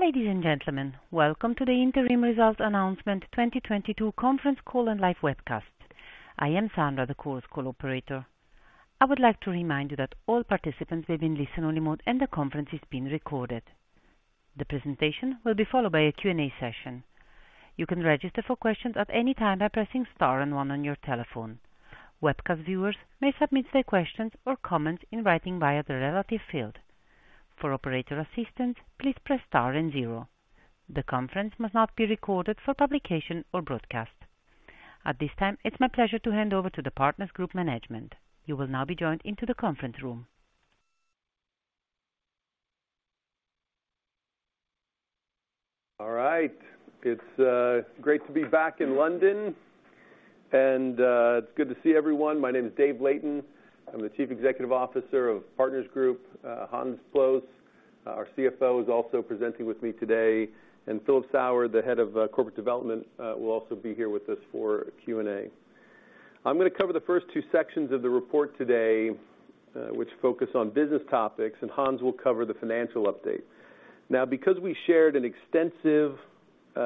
Ladies and gentlemen, Welcome to the Interim Results Announcement 2022 Conference Call and Live Webcast. I am Sandra, the Chorus Call operator. I would like to remind you that all participants will be in listen-only mode and the conference is being recorded. The presentation will be followed by a Q&A session. You can register for questions at any time by pressing star and one on your telephone. Webcast viewers may submit their questions or comments in writing via the relevant field. For operator assistance, please press star and zero. The conference must not be recorded for publication or broadcast. At this time, it's my pleasure to hand over to the Partners Group management. You will now be joined into the conference room. All right. It's great to be back in London, and it's good to see everyone. My name is David Layton. I'm the Chief Executive Officer of Partners Group. Hans Ploos van Amstel, our CFO, is also presenting with me today, and Philip Sauer, the Head of Corporate Development, will also be here with us for Q&A. I'm gonna cover the 1st two sections of the report today, which focus on business topics, and Hans will cover the financial update. Now, because we shared an extensive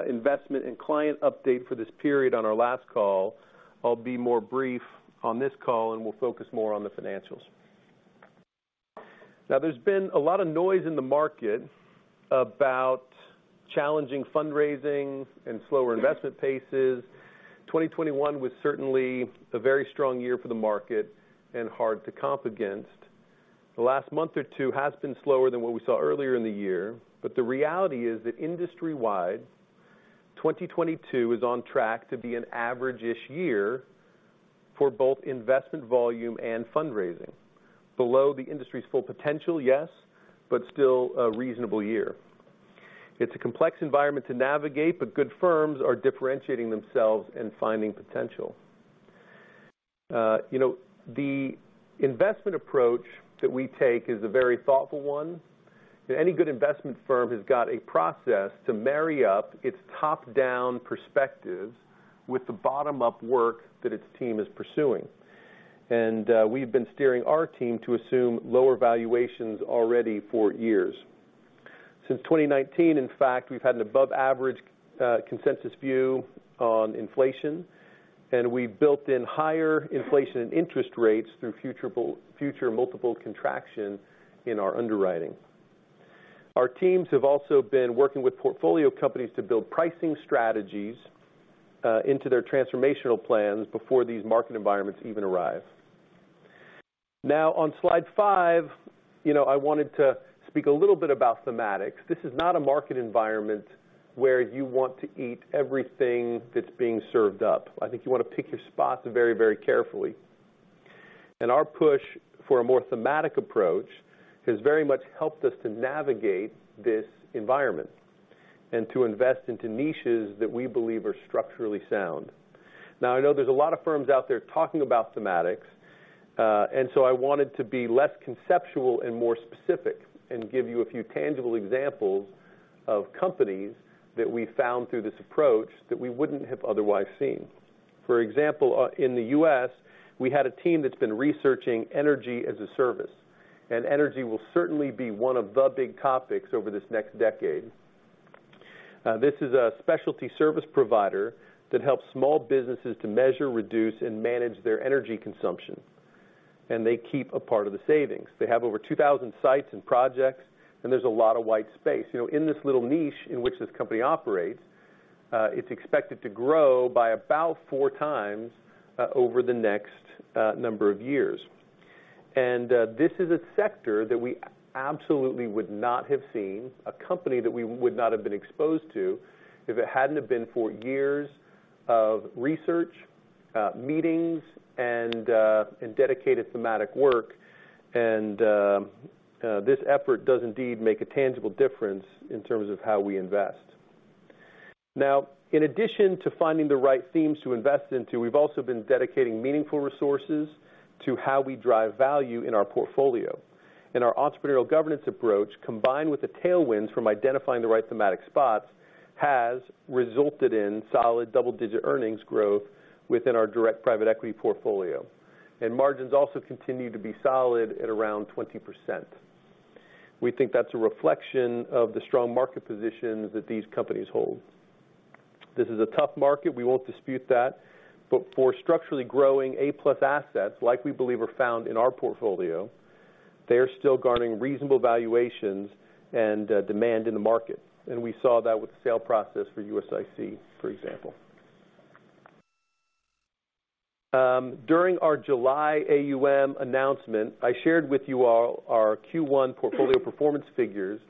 investment and client update for this period on our last call, I'll be more brief on this call, and we'll focus more on the financials. Now, there's been a lot of noise in the market about challenging fundraising and slower investment paces. 2021 was certainly a very strong year for the market and hard to comp against. The last month or two has been slower than what we saw earlier in the year, but the reality is that industry-wide, 2022 is on track to be an average-ish year for both investment volume and fundraising. Below the industry's full potential, yes, but still a reasonable year. It's a complex environment to navigate, but good firms are differentiating themselves and finding potential. You know, the investment approach that we take is a very thoughtful one, and any good investment firm has got a process to marry up its top-down perspective with the bottom-up work that its team is pursuing. We've been steering our team to assume lower valuations already for years. Since 2019, in fact, we've had an above average consensus view on inflation, and we've built in higher inflation and interest rates through future multiple contraction in our underwriting. Our teams have also been working with portfolio companies to build pricing strategies into their transformational plans before these market environments even arrive. Now, on slide five, you know, I wanted to speak a little bit about thematics. This is not a market environment where you want to eat everything that's being served up. I think you wanna pick your spots very, very carefully. Our push for a more thematic approach has very much helped us to navigate this environment and to invest into niches that we believe are structurally sound. Now, I know there's a lot of firms out there talking about thematics, and so I wanted to be less conceptual and more specific and give you a few tangible examples of companies that we found through this approach that we wouldn't have otherwise seen. For example, in the U.S., we had a team that's been researching energy-as-a-service, and energy will certainly be one of the big topics over this next decade. This is a specialty service provider that helps small businesses to measure, reduce, and manage their energy consumption, and they keep a part of the savings. They have over 2,000 sites and projects, and there's a lot of white space. You know, in this little niche in which this company operates, it's expected to grow by about 4x over the next number of years. This is a sector that we absolutely would not have seen, a company that we would not have been exposed to if it hadn't have been for years of research, meetings, and dedicated thematic work. This effort does indeed make a tangible difference in terms of how we invest. Now, in addition to finding the right themes to invest into, we've also been dedicating meaningful resources to how we drive value in our portfolio. Our entrepreneurial governance approach, combined with the tailwinds from identifying the right thematic spots, has resulted in solid double-digit earnings growth within our direct private equity portfolio. Margins also continue to be solid at around 20%. We think that's a reflection of the strong market positions that these companies hold. This is a tough market, we won't dispute that, but for structurally growing A-plus assets like we believe are found in our portfolio, they are still garnering reasonable valuations and demand in the market. We saw that with the sale process for USIC, for example. During our July AUM announcement, I shared with you all our Q1 portfolio performance figures,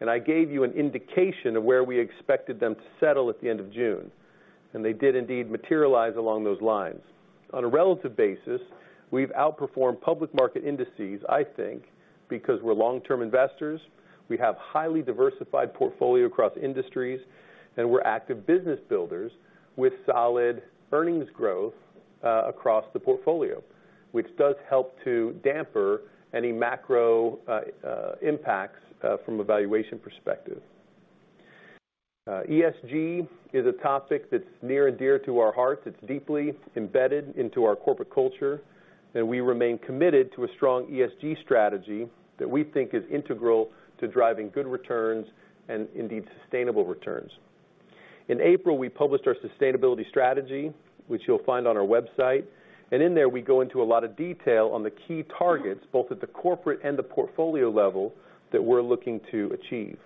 and I gave you an indication of where we expected them to settle at the end of June, and they did indeed materialize along those lines. On a relative basis, we've outperformed public market indices, I think, because we're long-term investors, we have highly diversified portfolio across industries, and we're active business builders with solid earnings growth across the portfolio, which does help to dampen any macro impacts from a valuation perspective. ESG is a topic that's near and dear to our hearts. It's deeply embedded into our corporate culture, and we remain committed to a strong ESG strategy that we think is integral to driving good returns and indeed sustainable returns. In April, we published our sustainability strategy, which you'll find on our website. In there, we go into a lot of detail on the key targets, both at the corporate and the portfolio level that we're looking to achieve.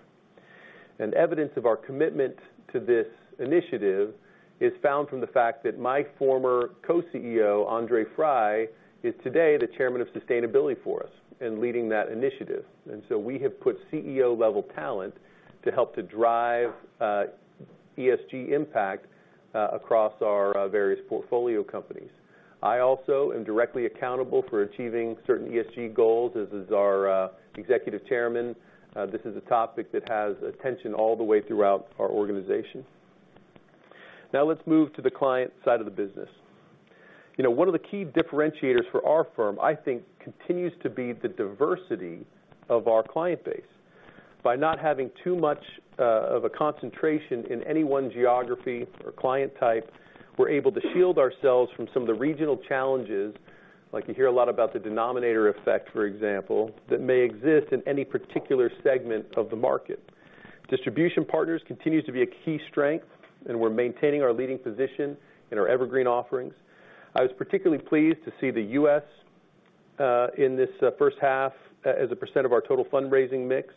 Evidence of our commitment to this initiative is found from the fact that my former co-CEO, André Frei, is today the Chairman of Sustainability for us in leading that initiative. We have put CEO-level talent to help to drive ESG impact across our various portfolio companies. I also am directly accountable for achieving certain ESG goals, as is our executive chairman. This is a topic that has attention all the way throughout our organization. Now let's move to the client side of the business. You know, one of the key differentiators for our firm, I think, continues to be the diversity of our client base. By not having too much of a concentration in any one geography or client type, we're able to shield ourselves from some of the regional challenges, like you hear a lot about the denominator effect, for example, that may exist in any particular segment of the market. Distribution partners continues to be a key strength, and we're maintaining our leading position in our evergreen offerings. I was particularly pleased to see the U.S. in this 1st half as a percent of our total fundraising mix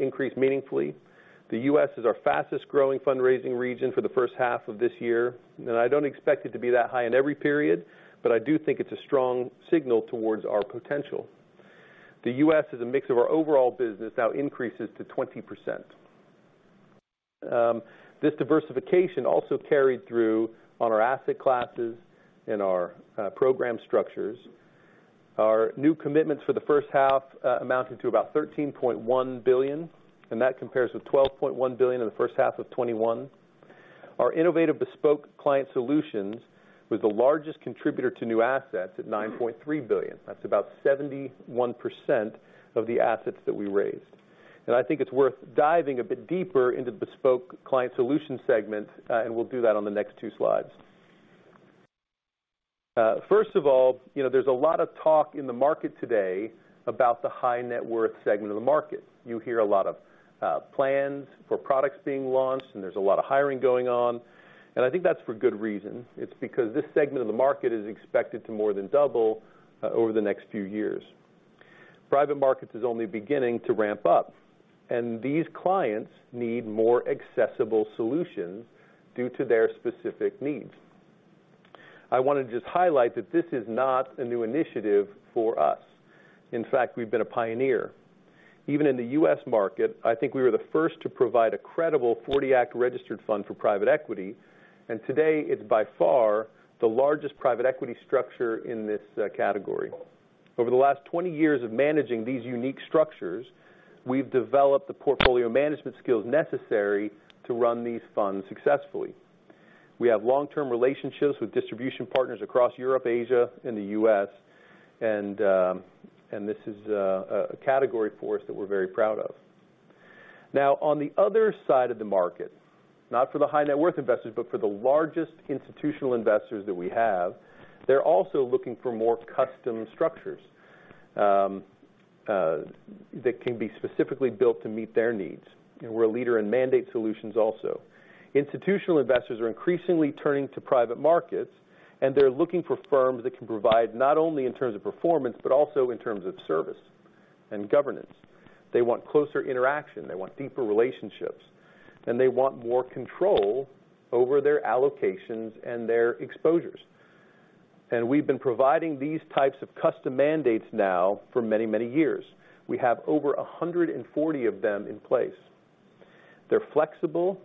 increase meaningfully. The U.S. is our fastest-growing fundraising region for the 1st half of this year. I don't expect it to be that high in every period, but I do think it's a strong signal towards our potential. The U.S. is a mix of our overall business now increases to 20%. This diversification also carried through on our asset classes and our program structures. Our new commitments for the 1st half amounted to about 13.1 billion, and that compares with 12.1 billion in the 1st half of 2021. Our innovative bespoke client solutions was the largest contributor to new assets at 9.3 billion. That's about 71% of the assets that we raised. I think it's worth diving a bit deeper into bespoke client solution segment, and we'll do that on the next two slides. First of all, you know, there's a lot of talk in the market today about the high net worth segment of the market. You hear a lot of plans for products being launched, and there's a lot of hiring going on. I think that's for good reason. It's because this segment of the market is expected to more than double over the next few years. Private markets is only beginning to ramp up, and these clients need more accessible solutions due to their specific needs. I wanna just highlight that this is not a new initiative for us. In fact, we've been a pioneer. Even in the U.S. market, I think we were the 1st to provide a credible '40 Act registered fund for private equity. Today, it's by far the largest private equity structure in this category. Over the last 20 years of managing these unique structures, we've developed the portfolio management skills necessary to run these funds successfully. We have long-term relationships with distribution partners across Europe, Asia, and the U.S., and this is a category for us that we're very proud of. Now on the other side of the market, not for the high net worth investors, but for the largest institutional investors that we have, they're also looking for more custom structures that can be specifically built to meet their needs. We're a leader in mandate solutions also. Institutional investors are increasingly turning to private markets, and they're looking for firms that can provide not only in terms of performance, but also in terms of service and governance. They want closer interaction, they want deeper relationships, and they want more control over their allocations and their exposures. We've been providing these types of custom mandates now for many, many years. We have over 140 of them in place. They're flexible.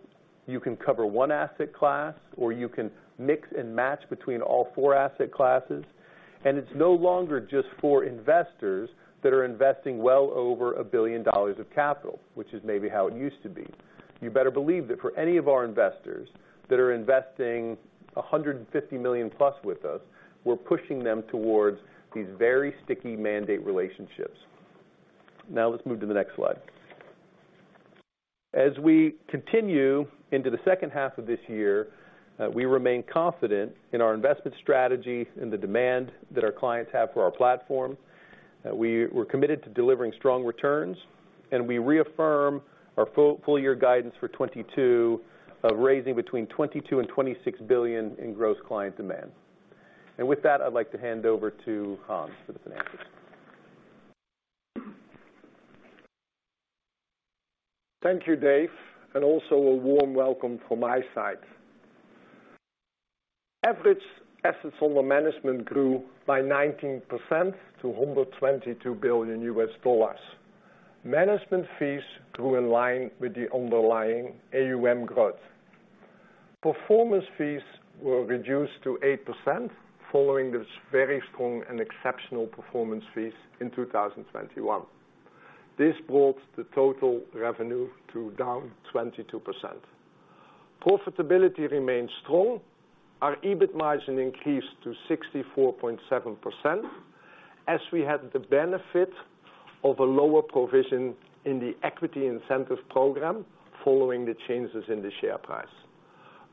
You can cover one asset class, or you can mix and match between all four asset classes. It's no longer just for investors that are investing well over $1 billion of capital, which is maybe how it used to be. You better believe that for any of our investors that are investing 150 million+ with us, we're pushing them towards these very sticky mandate relationships. Now let's move to the next slide. As we continue into the 2nd half of this year, we remain confident in our investment strategy and the demand that our clients have for our platform. We're committed to delivering strong returns, and we reaffirm our full-year guidance for 2022 of raising between 22 billion and 26 billion in gross client demand. With that, I'd like to hand over to Hans for the finances. Thank you, Dave, and also a warm welcome from my side. Average assets under management grew by 19% to $122 billion. Management fees grew in line with the underlying AUM growth. Performance fees were reduced to 8%, following this very strong and exceptional performance fees in 2021. This brought the total revenue down 22%. Profitability remains strong. Our EBIT margin increased to 64.7% as we had the benefit of a lower provision in the equity incentive program following the changes in the share price.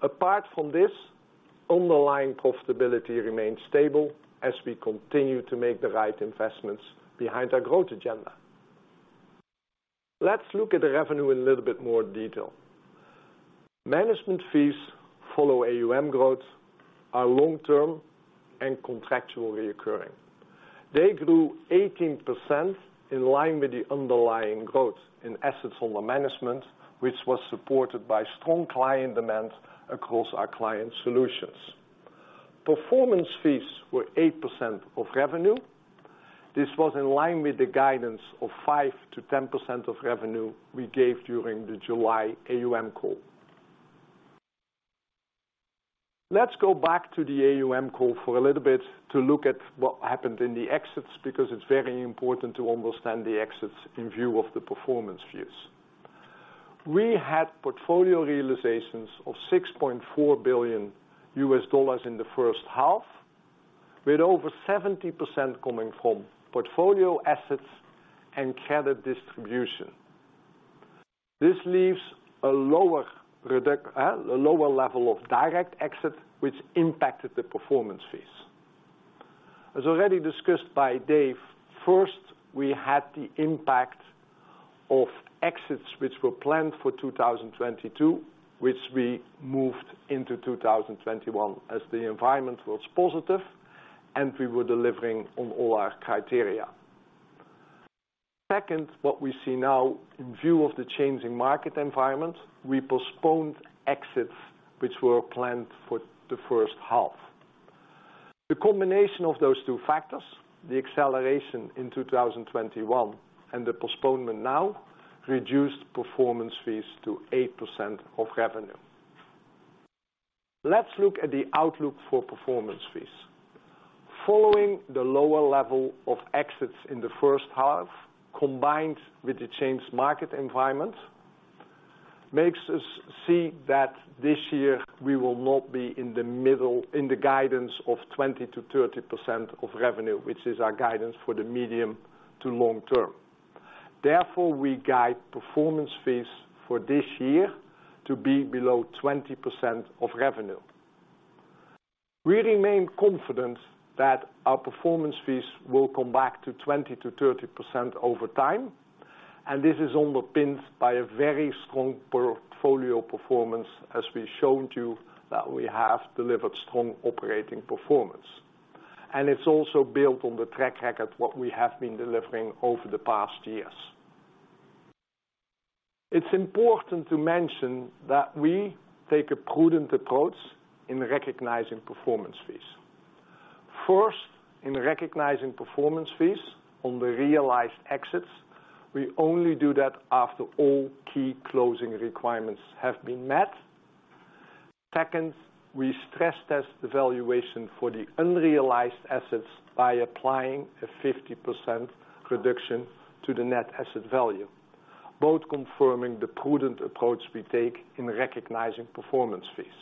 Apart from this, underlying profitability remains stable as we continue to make the right investments behind our growth agenda. Let's look at the revenue in a little bit more detail. Management fees follow AUM growth are long-term and contractually occurring. They grew 18% in line with the underlying growth in assets under management, which was supported by strong client demand across our client solutions. Performance fees were 8% of revenue. This was in line with the guidance of 5%-10% of revenue we gave during the July AUM call. Let's go back to the AUM call for a little bit to look at what happened in the exits, because it's very important to understand the exits in view of the performance fees. We had portfolio realizations of $6.4 billion in the 1st half, with over 70% coming from portfolio assets and credit distribution. This leaves a lower level of direct exit, which impacted the performance fees. As already discussed by Dave, 1st, we had the impact of exits which were planned for 2022, which we moved into 2021 as the environment was positive and we were delivering on all our criteria. Second, what we see now in view of the changing market environment, we postponed exits which were planned for the 1st half. The combination of those two factors, the acceleration in 2021 and the postponement now, reduced performance fees to 8% of revenue. Let's look at the outlook for performance fees. Following the lower level of exits in the 1st half, combined with the changed market environment, makes us see that this year we will not be in the guidance of 20%-30% of revenue, which is our guidance for the medium to long term. Therefore, we guide performance fees for this year to be below 20% of revenue. We remain confident that our performance fees will come back to 20%-30% over time, and this is underpinned by a very strong portfolio performance as we've shown to you that we have delivered strong operating performance. It's also built on the track record what we have been delivering over the past years. It's important to mention that we take a prudent approach in recognizing performance fees. First, in recognizing performance fees on the realized exits, we only do that after all key closing requirements have been met. Second, we stress-test the valuation for the unrealized assets by applying a 50% reduction to the net asset value, both confirming the prudent approach we take in recognizing performance fees.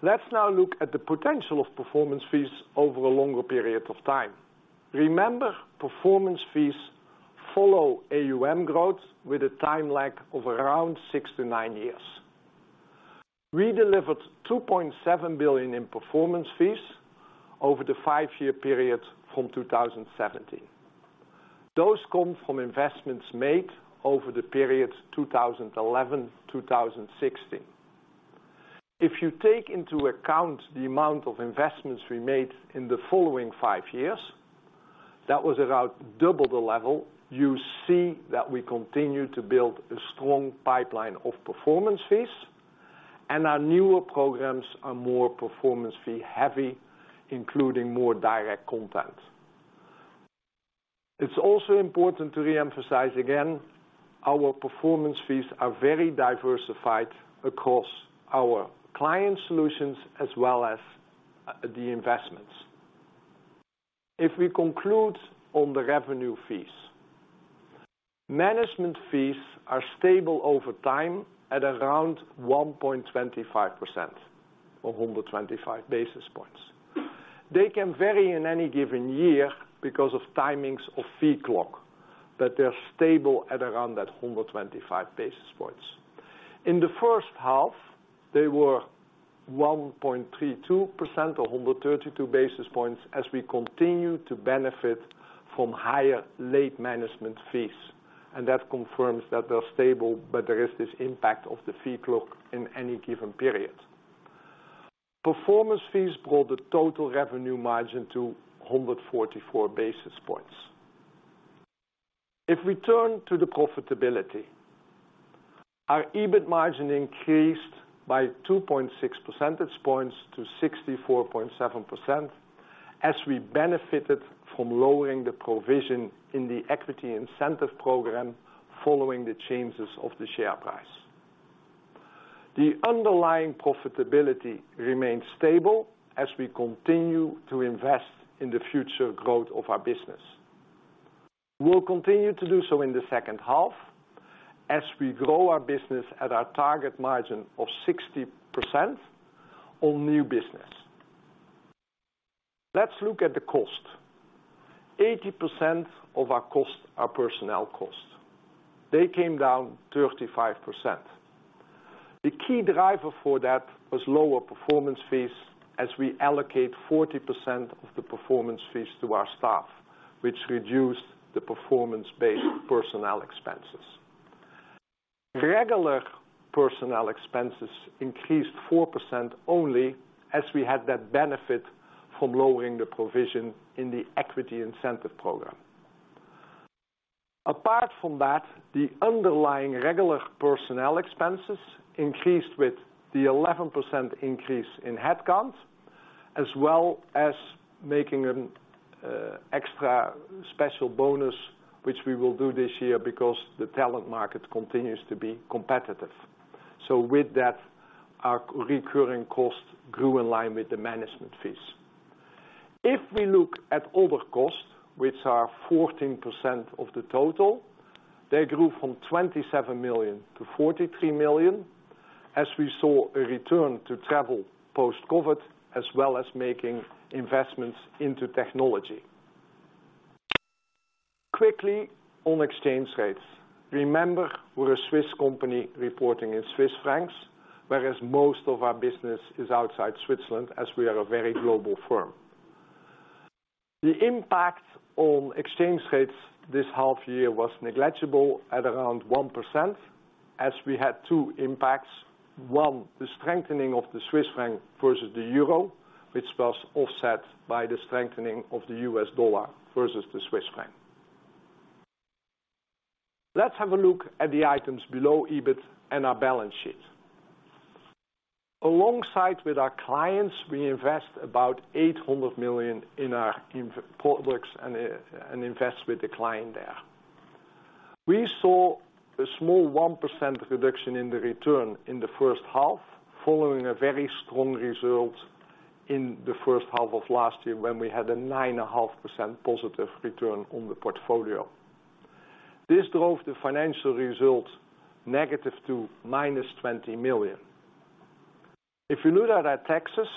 Let's now look at the potential of performance fees over a longer period of time. Remember, performance fees follow AUM growth with a time lag of around six to nine years. We delivered 2.7 billion in performance fees over the five year period from 2017. Those come from investments made over the period 2011-2016. If you take into account the amount of investments we made in the following five years, that was about double the level, you see that we continue to build a strong pipeline of performance fees. Our newer programs are more performance fee heavy, including more direct content. It's also important to reemphasize again, our performance fees are very diversified across our client solutions as well as the investments. If we conclude on the revenue fees, management fees are stable over time at around 1.25%, or 125 basis points. They can vary in any given year because of timings of fee clock, but they're stable at around that 125 basis points. In the 1st half, they were 1.32% or 132 basis points as we continue to benefit from higher late management fees, and that confirms that they're stable, but there is this impact of the fee clock in any given period. Performance fees brought the total revenue margin to 144 basis points. If we turn to the profitability, our EBIT margin increased by 2.6 percentage points to 64.7% as we benefited from lowering the provision in the equity incentive program following the changes of the share price. The underlying profitability remains stable as we continue to invest in the future growth of our business. We'll continue to do so in the 2nd half as we grow our business at our target margin of 60% on new business. Let's look at the cost. 80% of our costs are personnel costs. They came down 35%. The key driver for that was lower performance fees as we allocate 40% of the performance fees to our staff, which reduced the performance-based personnel expenses. Regular personnel expenses increased 4% only as we had that benefit from lowering the provision in the equity incentive program. Apart from that, the underlying regular personnel expenses increased with the 11% increase in headcount, as well as making an extra special bonus, which we will do this year because the talent market continues to be competitive. With that, our recurring costs grew in line with the management fees. If we look at other costs, which are 14% of the total, they grew from 27 million-43 million as we saw a return to travel post-COVID, as well as making investments into technology. Quickly on exchange rates. Remember, we're a Swiss company reporting in Swiss francs, whereas most of our business is outside Switzerland as we are a very global firm. The impact on exchange rates this half year was negligible at around 1% as we had two impacts. One, the strengthening of the Swiss franc versus the euro, which was offset by the strengthening of the U.S. dollar versus the Swiss franc. Let's have a look at the items below EBIT and our balance sheet. Alongside with our clients, we invest about 800 million in our own products and invest with the client there. We saw a small 1% reduction in the return in the 1st half, following a very strong result in the 1st half of last year when we had a 9.5% positive return on the portfolio. This drove the financial results negative to -20 million. If you look at our taxes,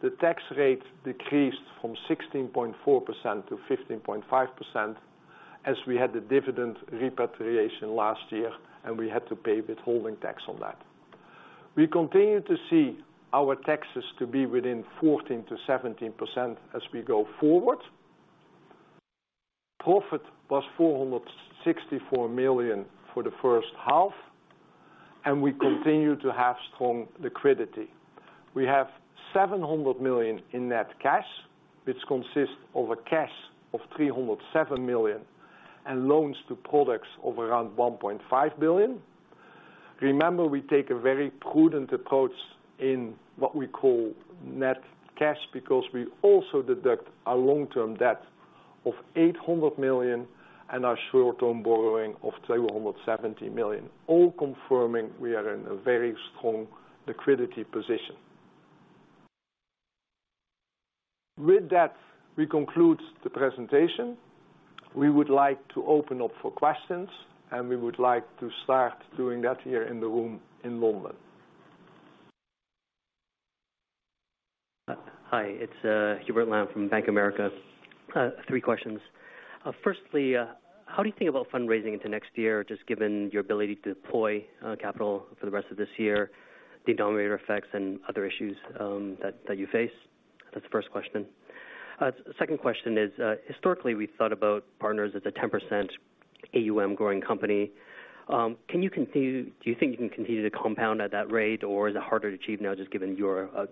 the tax rate decreased from 16.4%-15.5% as we had the dividend repatriation last year, and we had to pay withholding tax on that. We continue to see our taxes to be within 14%-17% as we go forward. Profit was 464 million for the 1st half, and we continue to have strong liquidity. We have 700 million in net cash, which consists of a cash of 307 million and loans to products of around 1.5 billion. Remember, we take a very prudent approach in what we call net cash because we also deduct our long-term debt of 800 million and our short-term borrowing of 270 million, all confirming we are in a very strong liquidity position. With that, we conclude the presentation. We would like to open up for questions, and we would like to start doing that here in the room in London. Hi, it's Hubert Lam from Bank of America. Three questions. Firstly, how do you think about fundraising into next year, just given your ability to deploy capital for the rest of this year, the denominator effects and other issues that you face? That's the 1st question. Second question is, historically, we thought about Partners as a 10% AUM growing company. Do you think you can continue to compound at that rate, or is it harder to achieve now just given you're a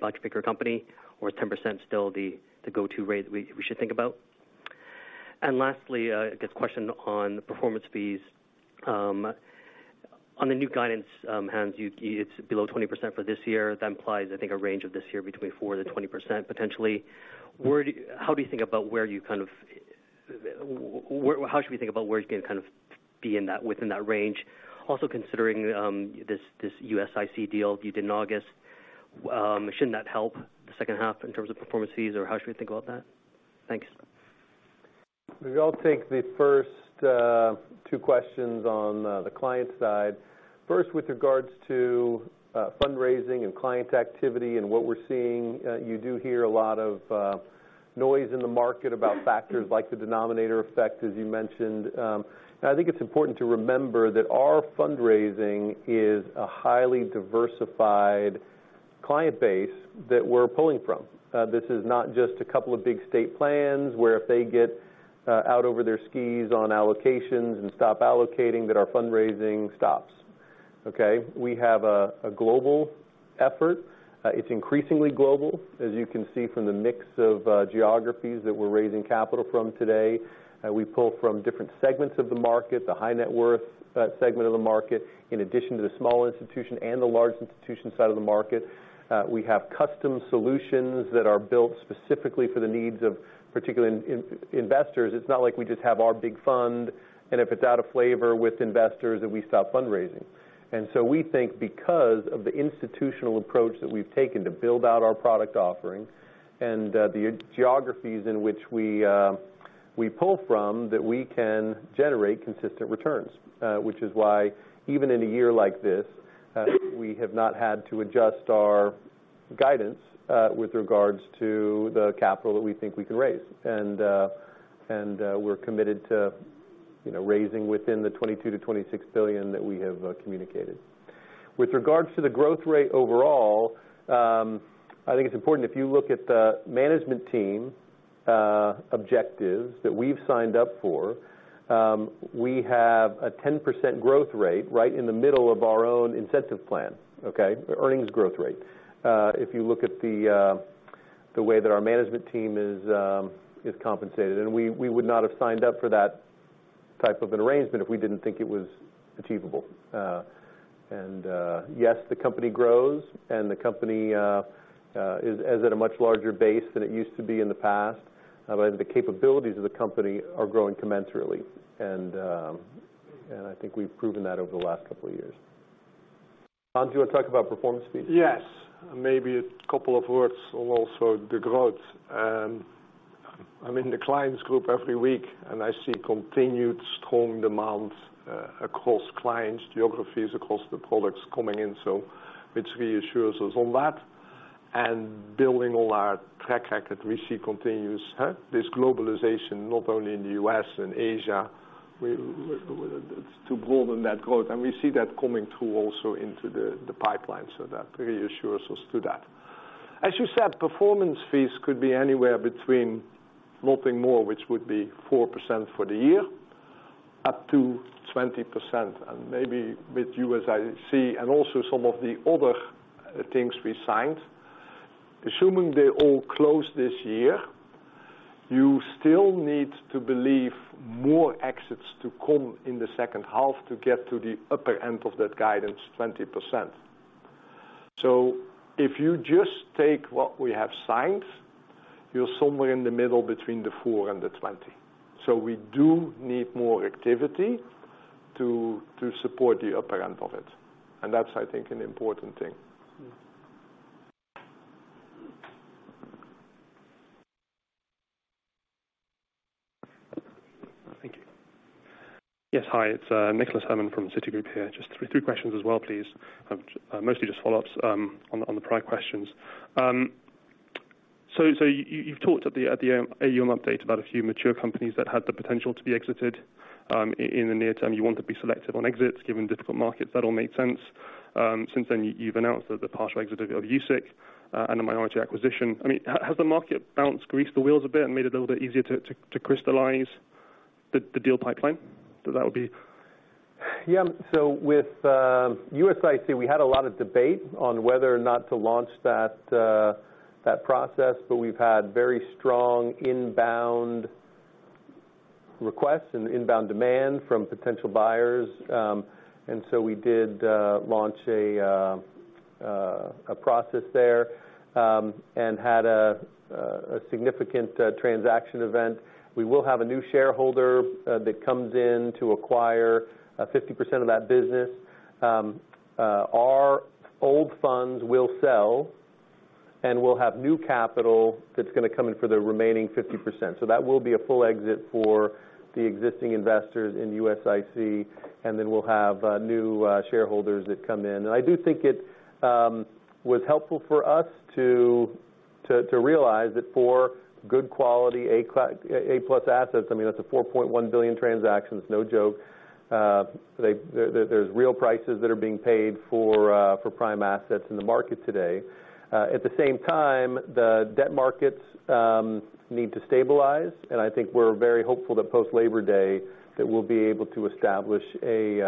much bigger company, or is 10% still the go-to rate we should think about? Lastly, I guess question on performance fees. On the new guidance, Hans, it's below 20% for this year. That implies, I think, a range of this year between 4%-20% potentially. How should we think about where you're going to kind of be in that within that range? Also considering this USIC deal you did in August, shouldn't that help the 2nd half in terms of performance fees, or how should we think about that? Thanks. Maybe I'll take the 1st two questions on the client side. First, with regards to fundraising and client activity and what we're seeing, you do hear a lot of noise in the market about factors like the denominator effect, as you mentioned. I think it's important to remember that our fundraising is a highly diversified client base that we're pulling from. This is not just a couple of big state plans where if they get out over their skis on allocations and stop allocating that our fundraising stops. Okay? We have a global effort. It's increasingly global, as you can see from the mix of geographies that we're raising capital from today. We pull from different segments of the market, the high net worth segment of the market, in addition to the small institution and the large institution side of the market. We have custom solutions that are built specifically for the needs of particular investors. It's not like we just have our big fund, and if it's out of favor with investors that we stop fundraising. We think because of the institutional approach that we've taken to build out our product offerings and the geographies in which we pull from that we can generate consistent returns. Which is why even in a year like this, we have not had to adjust our guidance with regards to the capital that we think we can raise. We're committed to, you know, raising within the 22 billion-26 billion that we have communicated. With regards to the growth rate overall, I think it's important if you look at the management team objectives that we've signed up for, we have a 10% growth rate right in the middle of our own incentive plan. Okay. The earnings growth rate. If you look at the way that our management team is compensated, and we would not have signed up for that type of an arrangement if we didn't think it was achievable. Yes, the company grows and the company is at a much larger base than it used to be in the past, but the capabilities of the company are growing commensurately. I think we've proven that over the last couple of years. Hans, do you want to talk about performance fees? Yes. Maybe a couple of words on also the growth. I'm in the clients group every week, and I see continued strong demand across clients, geographies across the products coming in, so which reassures us on that. Building on our track record, we see continuous this globalization, not only in the U.S. and Asia, it's to broaden that growth. We see that coming through also into the pipeline. That reassures us to that. As you said, performance fees could be anywhere between nothing more, which would be 4% for the year, up to 20%. Maybe with what I see, and also some of the other things we signed, assuming they all close this year, you still need to believe more exits to come in the 2nd half to get to the upper end of that guidance, 20%. If you just take what we have signed, you're somewhere in the middle between the 4% and the 20%. We do need more activity to support the upper end of it. That's, I think, an important thing. Thank you. Yes. Hi, it's Nicholas Herman from Citigroup here. Just three questions as well, please. Mostly just follow-ups on the prior questions. So you've talked at the AUM update about a few mature companies that had the potential to be exited in the near term. You want to be selective on exits given difficult markets. That all made sense. Since then, you've announced the partial exit of USIC and a minority acquisition. I mean, has the market bounce greased the wheels a bit and made it a little bit easier to crystallize the deal pipeline? That would be... Yeah. With USIC, we had a lot of debate on whether or not to launch that process, but we've had very strong inbound requests and inbound demand from potential buyers. We did launch a process there, and had a significant transaction event. We will have a new shareholder that comes in to acquire 50% of that business. Our old funds will sell, and we'll have new capital that's gonna come in for the remaining 50%. That will be a full exit for the existing investors in USIC, and then we'll have new shareholders that come in. I do think it was helpful for us to realize that for good quality A plus assets, I mean, that's a 4.1 billion transaction. It's no joke. There's real prices that are being paid for prime assets in the market today. At the same time, the debt markets need to stabilize. I think we're very hopeful that post Labor Day, that we'll be able to establish a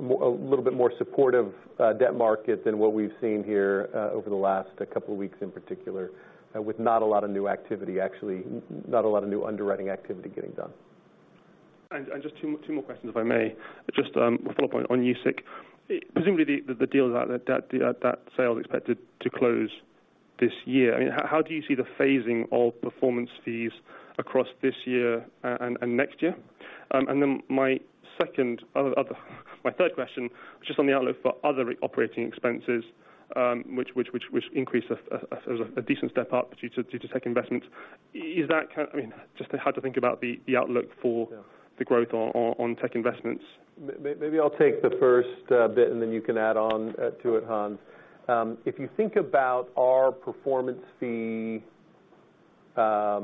little bit more supportive debt market than what we've seen here over the last couple weeks in particular, with not a lot of new activity, actually, not a lot of new underwriting activity getting done. Just two more questions, if I may. A follow-up on USIC. Presumably, the deal, that sale is expected to close this year. I mean, how do you see the phasing of performance fees across this year and next year? And then my 2nd, my 3rd question, just on the outlook for other operating expenses, which increased a decent step-up due to tech investments. Is that kind? I mean, just how to think about the outlook for- Yeah. the growth on tech investments. Maybe I'll take the 1st bit, and then you can add on to it, Hans. If you think about our performance fee that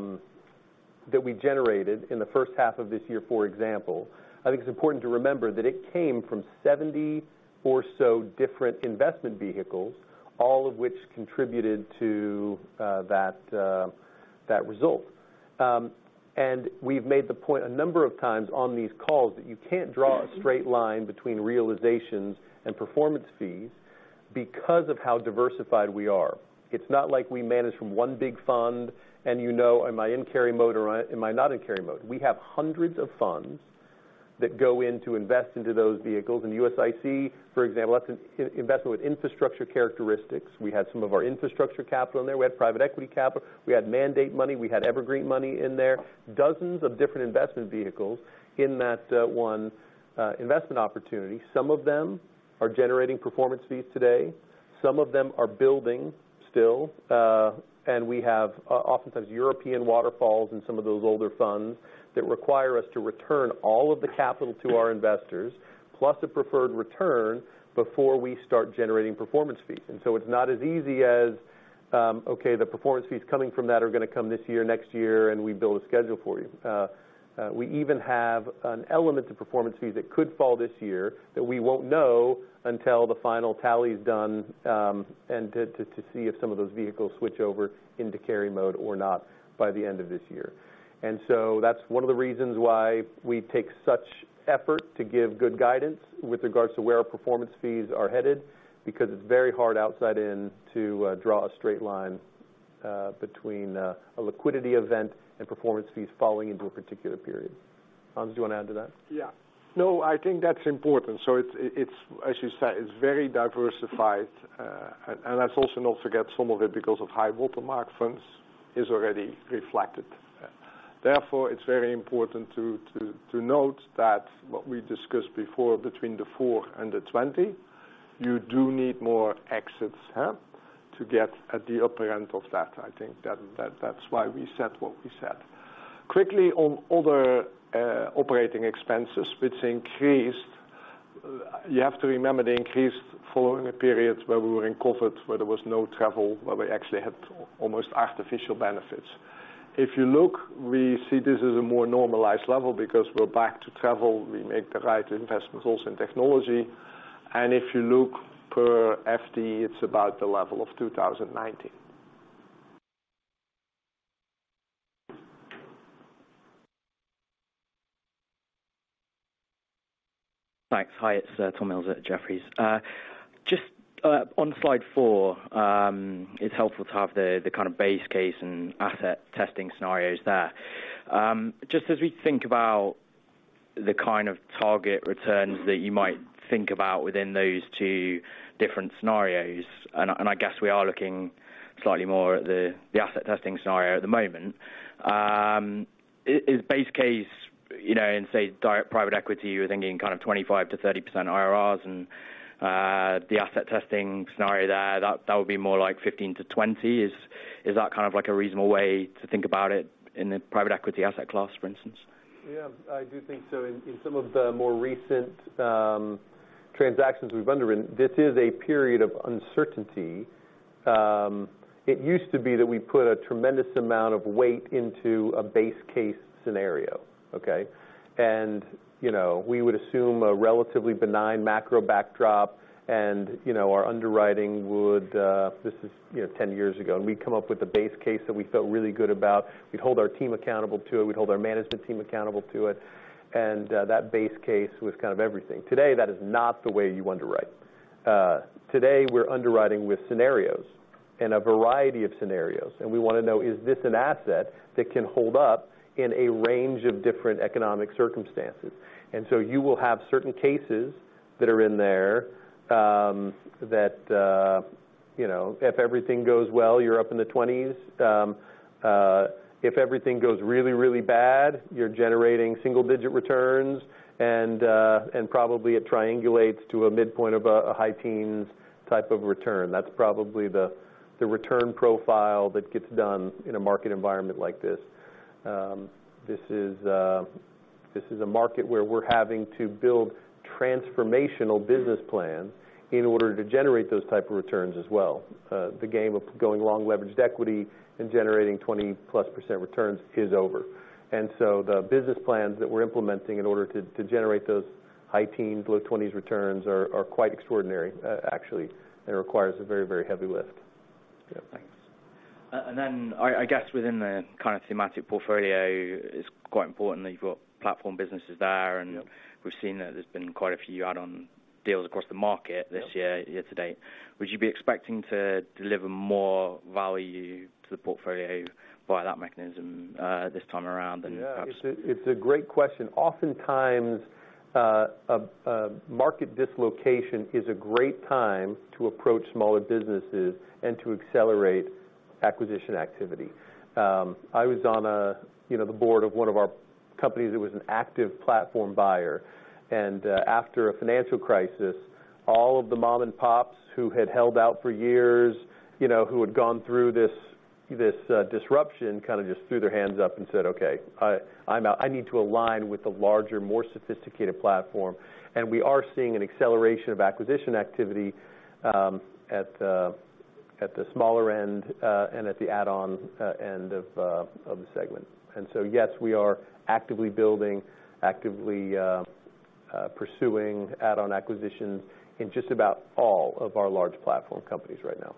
we generated in the 1st half of this year, for example, I think it's important to remember that it came from 70 or so different investment vehicles, all of which contributed to that result. We've made the point a number of times on these calls that you can't draw a straight line between realizations and performance fees because of how diversified we are. It's not like we manage from one big fund and you know, am I in carry mode or am I not in carry mode? We have hundreds of funds that go in to invest into those vehicles. In USIC, for example, that's an investment with infrastructure characteristics. We had some of our infrastructure capital in there. We had private equity capital. We had mandate money. We had evergreen money in there. Dozens of different investment vehicles in that one investment opportunity. Some of them are generating performance fees today. Some of them are building still, and we have oftentimes European waterfalls in some of those older funds that require us to return all of the capital to our investors, plus a preferred return before we start generating performance fees. It's not as easy as, okay, the performance fees coming from that are gonna come this year, next year, and we build a schedule for you. We even have an element of performance fee that could fall this year that we won't know until the final tally's done, and to see if some of those vehicles switch over into carry mode or not by the end of this year. That's one of the reasons why we take such effort to give good guidance with regards to where our performance fees are headed, because it's very hard outside in to draw a straight line between a liquidity event and performance fees falling into a particular period. Hans, do you wanna add to that? Yeah. No, I think that's important. It's very diversified, and let's also not forget some of it because of high watermark funds is already reflected. Therefore, it's very important to note that what we discussed before between 4%-20%, you do need more exits, huh, to get at the upper end of that. I think that's why we said what we said. Quickly on other operating expenses, which increased. You have to remember the increase following the periods where we were in COVID, where there was no travel, where we actually had almost artificial benefits. If you look, we see this as a more normalized level because we're back to travel. We make the right investments also in technology. If you look per FTE, it's about the level of 2019. Thanks. Hi, it's Tom Mills at Jefferies. Just on slide four, it's helpful to have the kind of base case and asset testing scenarios there. Just as we think about the kind of target returns that you might think about within those two different scenarios, and I guess we are looking slightly more at the asset testing scenario at the moment. In base case, you know, in, say, private equity, you're thinking kind of 25%-30% IRRs and the asset testing scenario there, that would be more like 15%-20%. Is that kind of like a reasonable way to think about it in the private equity asset class, for instance? Yeah, I do think so. In some of the more recent transactions we've underwritten, this is a period of uncertainty. It used to be that we put a tremendous amount of weight into a base case scenario, okay? You know, we would assume a relatively benign macro backdrop, and you know, this is 10 years ago, and we'd come up with a base case that we felt really good about. We'd hold our team accountable to it. We'd hold our management team accountable to it. That base case was kind of everything. Today, that is not the way you underwrite. Today, we're underwriting with scenarios and a variety of scenarios, and we wanna know, is this an asset that can hold up in a range of different economic circumstances? You will have certain cases that are in there, you know, if everything goes well, you're up in the 20%. If everything goes really, really bad, you're generating single-digit returns and probably it triangulates to a midpoint of a high teens type of return. That's probably the return profile that gets done in a market environment like this. This is a market where we're having to build transformational business plans in order to generate those type of returns as well. The game of going long leveraged equity and generating 20% returns is over. The business plans that we're implementing in order to generate those high teens, low 20% returns are quite extraordinary, actually, and requires a very, very heavy lift. Yeah, thanks. I guess within the kind of thematic portfolio, it's quite important that you've got platform businesses there, and we've seen that there's been quite a few add-on deals across the market this year to date. Would you be expecting to deliver more value to the portfolio via that mechanism this time around than perhaps- Yeah. It's a great question. Oftentimes, a market dislocation is a great time to approach smaller businesses and to accelerate acquisition activity. I was on, you know, the board of one of our companies that was an active platform buyer, and after a financial crisis, all of the mom and pops who had held out for years, you know, who had gone through this disruption, kind of just threw their hands up and said, "Okay, I'm out. I need to align with a larger, more sophisticated platform." We are seeing an acceleration of acquisition activity at the smaller end and at the add-on end of the segment. Yes, we are actively building, actively pursuing add-on acquisitions in just about all of our large platform companies right now.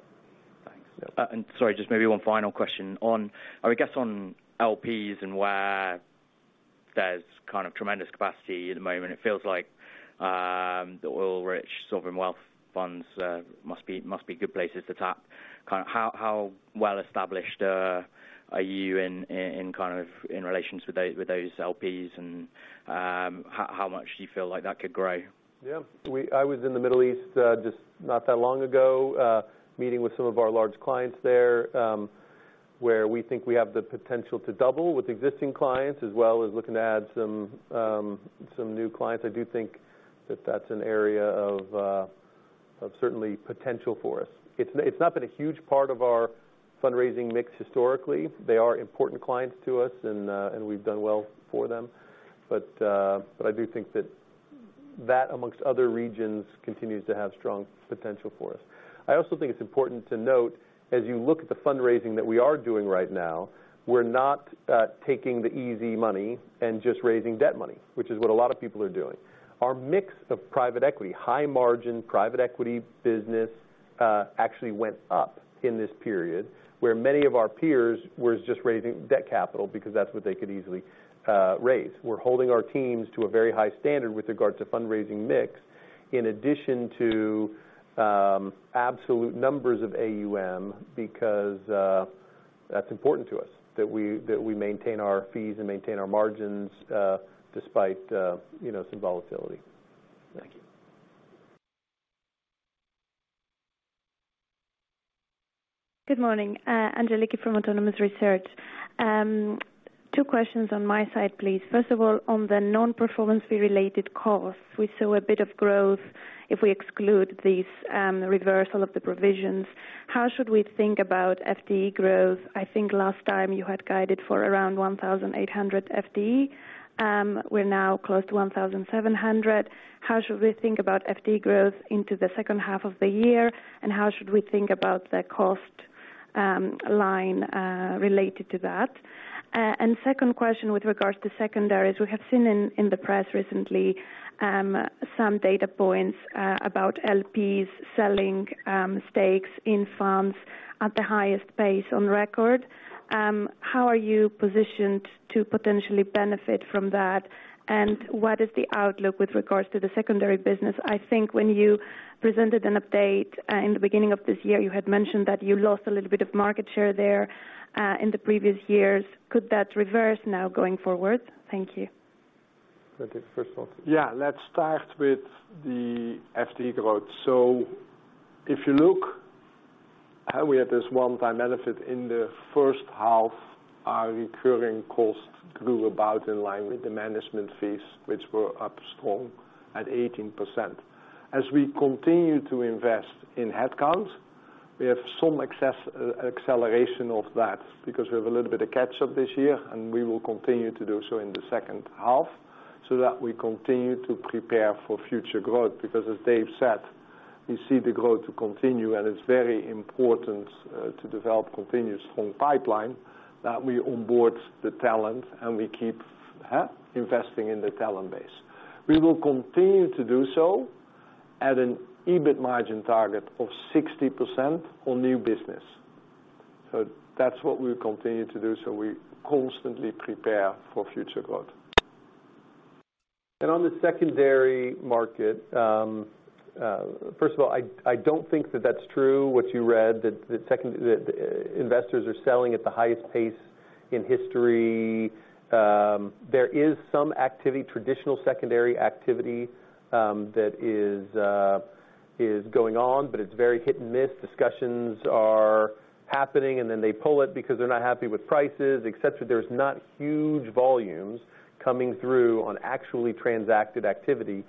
Thanks. Yeah. Sorry, just maybe one final question. On, I guess, on LPs and where there's kind of tremendous capacity at the moment, it feels like the oil-rich sovereign wealth funds must be good places to tap. Kind of how well established are you in relations with those LPs, and how much do you feel like that could grow? Yeah. I was in the Middle East just not that long ago meeting with some of our large clients there, where we think we have the potential to double with existing clients, as well as looking to add some new clients. I do think that that's an area of certainly potential for us. It's not been a huge part of our fundraising mix historically. They are important clients to us and we've done well for them. I do think that that amongst other regions continues to have strong potential for us. I also think it's important to note as you look at the fundraising that we are doing right now, we're not taking the easy money and just raising debt money, which is what a lot of people are doing. Our mix of private equity, high margin private equity business, actually went up in this period, where many of our peers was just raising debt capital because that's what they could easily raise. We're holding our teams to a very high standard with regards to fundraising mix in addition to absolute numbers of AUM, because that's important to us that we maintain our fees and maintain our margins despite you know some volatility. Thank you. Good morning, Angeliki from Autonomous Research. Two questions on my side, please. First of all, on the non-performance fee-related costs, we saw a bit of growth if we exclude these reversal of the provisions. How should we think about FTE growth? I think last time you had guided for around 1,800 FTE. We're now close to 1,700. How should we think about FTE growth into the 2nd half of the year, and how should we think about the cost line related to that? Second question with regards to secondaries. We have seen in the press recently some data points about LPs selling stakes in funds at the highest pace on record. How are you positioned to potentially benefit from that? And what is the outlook with regards to the secondary business? I think when you presented an update in the beginning of this year, you had mentioned that you lost a little bit of market share there in the previous years. Could that reverse now going forward? Thank you. Yeah. Let's start with the FTE growth. If you look how we had this one-time benefit in the 1st half, our recurring costs grew about in line with the management fees, which were up strong at 18%. As we continue to invest in headcount, we have some excess acceleration of that because we have a little bit of catch-up this year, and we will continue to do so in the 2nd half so that we continue to prepare for future growth. Because as Dave said, we see the growth to continue, and it's very important to develop continuous strong pipeline that we onboard the talent and we keep investing in the talent base. We will continue to do so at an EBIT margin target of 60% on new business. That's what we'll continue to do, so we constantly prepare for future growth. On the secondary market, 1st of all, I don't think that's true what you read, that investors are selling at the highest pace in history. There is some activity, traditional secondary activity, that is going on, but it's very hit and miss. Discussions are happening, and then they pull it because they're not happy with prices, et cetera. There's not huge volumes coming through on actually transacted activity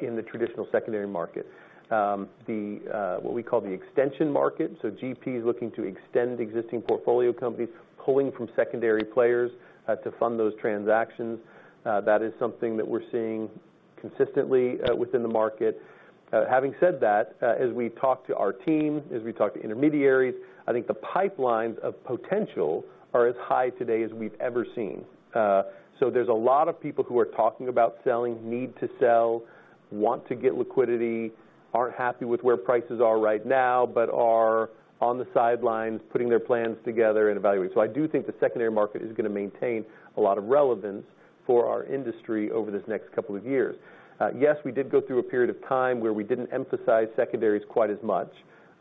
in the traditional secondary market. The what we call the extension market, so GPs looking to extend existing portfolio companies, pulling from secondary players to fund those transactions, that is something that we're seeing consistently within the market. Having said that, as we talk to our team, as we talk to intermediaries, I think the pipelines of potential are as high today as we've ever seen. There's a lot of people who are talking about selling, need to sell, want to get liquidity, aren't happy with where prices are right now, but are on the sidelines putting their plans together and evaluate. I do think the secondary market is gonna maintain a lot of relevance for our industry over this next couple of years. Yes, we did go through a period of time where we didn't emphasize secondaries quite as much.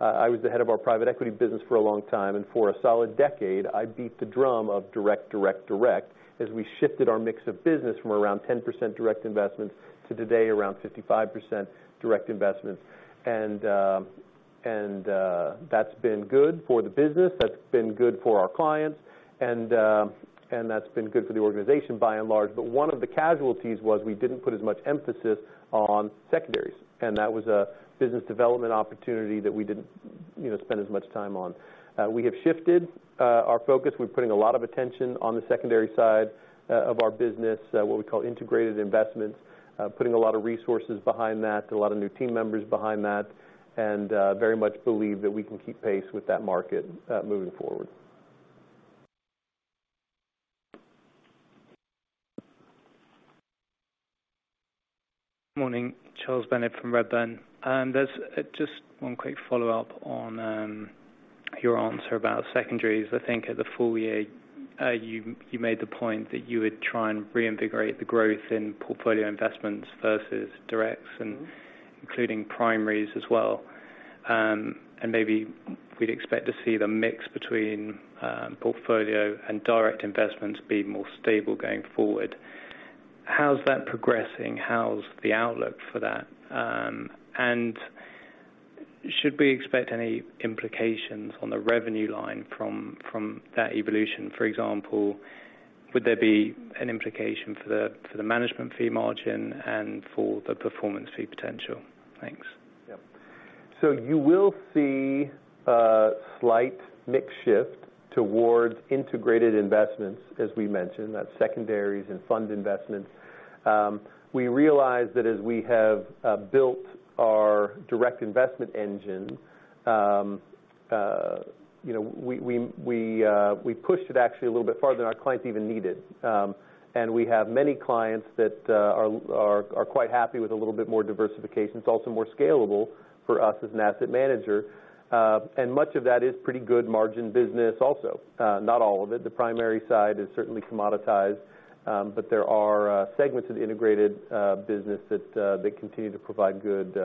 I was the head of our private equity business for a long time, and for a solid decade, I beat the drum of direct, direct as we shifted our mix of business from around 10% direct investments to today around 55% direct investments. That's been good for the business, that's been good for our clients, and that's been good for the organization by and large. One of the casualties was we didn't put as much emphasis on secondaries, and that was a business development opportunity that we didn't, you know, spend as much time on. We have shifted our focus. We're putting a lot of attention on the secondary side of our business, what we call integrated investments. Putting a lot of resources behind that, a lot of new team members behind that, and very much believe that we can keep pace with that market, moving forward. Morning. Charles Bendit from Redburn. There's just one quick follow-up on your answer about secondaries. I think at the full year, you made the point that you would try and reinvigorate the growth in portfolio investments versus directs and including primaries as well. Maybe we'd expect to see the mix between portfolio and direct investments be more stable going forward. How's that progressing? How's the outlook for that? Should we expect any implications on the revenue line from that evolution? For example, would there be an implication for the management fee margin and for the performance fee potential? Thanks. Yeah. You will see a slight mix shift towards integrated investments, as we mentioned, that's secondaries and fund investments. We realized that as we have built our direct investment engine, you know, we pushed it actually a little bit farther than our clients even needed. We have many clients that are quite happy with a little bit more diversification. It's also more scalable for us as an asset manager. Much of that is pretty good margin business also. Not all of it. The primary side is certainly commoditized, but there are segments of the integrated business that continue to provide good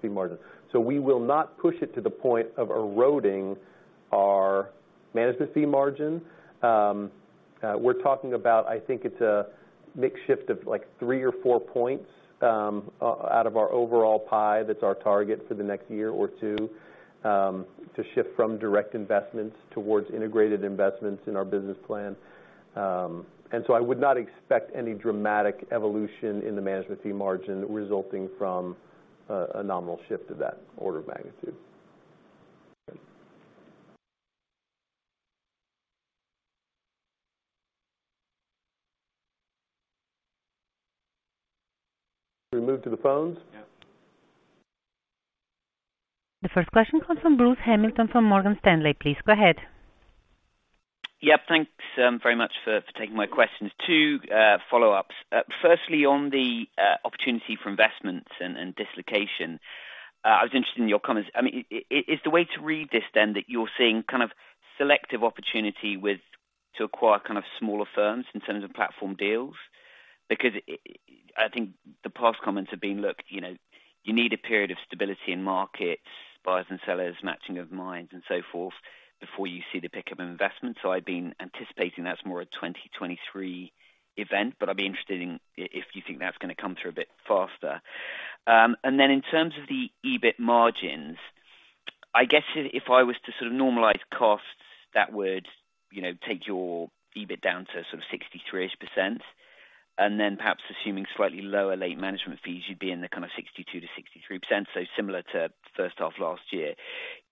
fee margins. We will not push it to the point of eroding our management fee margin. We're talking about, I think it's a mix shift of like 3 or 4 points out of our overall pie that's our target for the next year or two to shift from direct investments towards integrated investments in our business plan. I would not expect any dramatic evolution in the management fee margin resulting from a nominal shift of that order of magnitude. Okay. We move to the phones? Yeah. The 1st question comes from Bruce Hamilton from Morgan Stanley. Please go ahead. Yeah. Thanks very much for taking my questions. Two follow-ups. Firstly, on the opportunity for investments and dislocation, I was interested in your comments. I mean, is the way to read this then that you're seeing kind of selective opportunity with to acquire kind of smaller firms in terms of platform deals? Because I think the past comments have been, look, you know, you need a period of stability in markets, buyers and sellers, matching of minds and so forth before you see the pickup of investments. I've been anticipating that's more a 2023 event, but I'd be interested in if you think that's gonna come through a bit faster. In terms of the EBIT margins, I guess if I was to sort of normalize costs that would, you know, take your EBIT down to sort of 63%, and then perhaps assuming slightly lower late management fees, you'd be in the kind of 62%-63%, so similar to 1st half last year.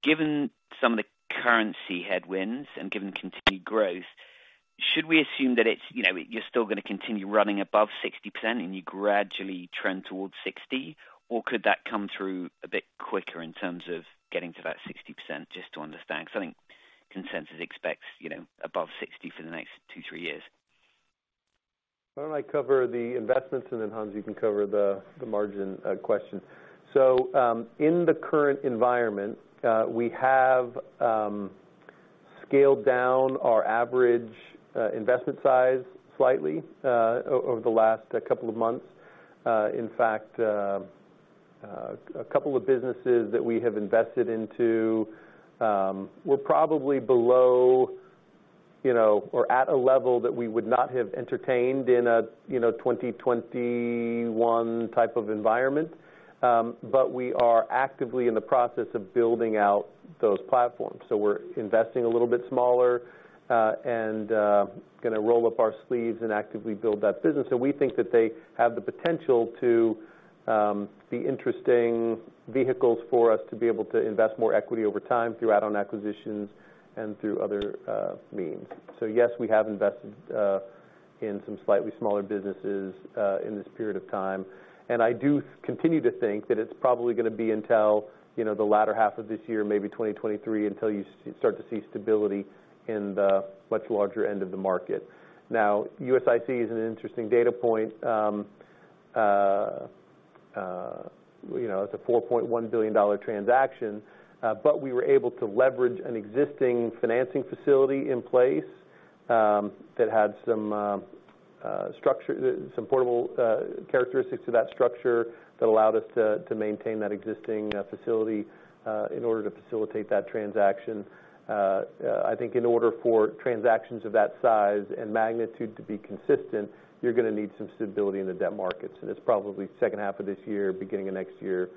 Given some of the currency headwinds and given continued growth, should we assume that it's, you know, you're still gonna continue running above 60% and you gradually trend towards 60%? Or could that come through a bit quicker in terms of getting to that 60%, just to understand? Because I think consensus expects, you know, above 60% for the next two, three years. Why don't I cover the investments, and then Hans, you can cover the margin question. In the current environment, we have scaled down our average investment size slightly over the last couple of months. In fact, a couple of businesses that we have invested into were probably below, you know, or at a level that we would not have entertained in a, you know, 2021 type of environment. But we are actively in the process of building out those platforms. We're investing a little bit smaller, and gonna roll up our sleeves and actively build that business. We think that they have the potential to be interesting vehicles for us to be able to invest more equity over time through add-on acquisitions and through other means. Yes, we have invested in some slightly smaller businesses in this period of time. I do continue to think that it's probably gonna be until, you know, the latter half of this year, maybe 2023, until you start to see stability in the much larger end of the market. Now, USIC is an interesting data point. You know, it's a $4.1 billion transaction. We were able to leverage an existing financing facility in place that had some structure, some portable characteristics to that structure that allowed us to maintain that existing facility in order to facilitate that transaction. I think in order for transactions of that size and magnitude to be consistent, you're gonna need some stability in the debt markets. It's probably 2nd half of this year, beginning of next year,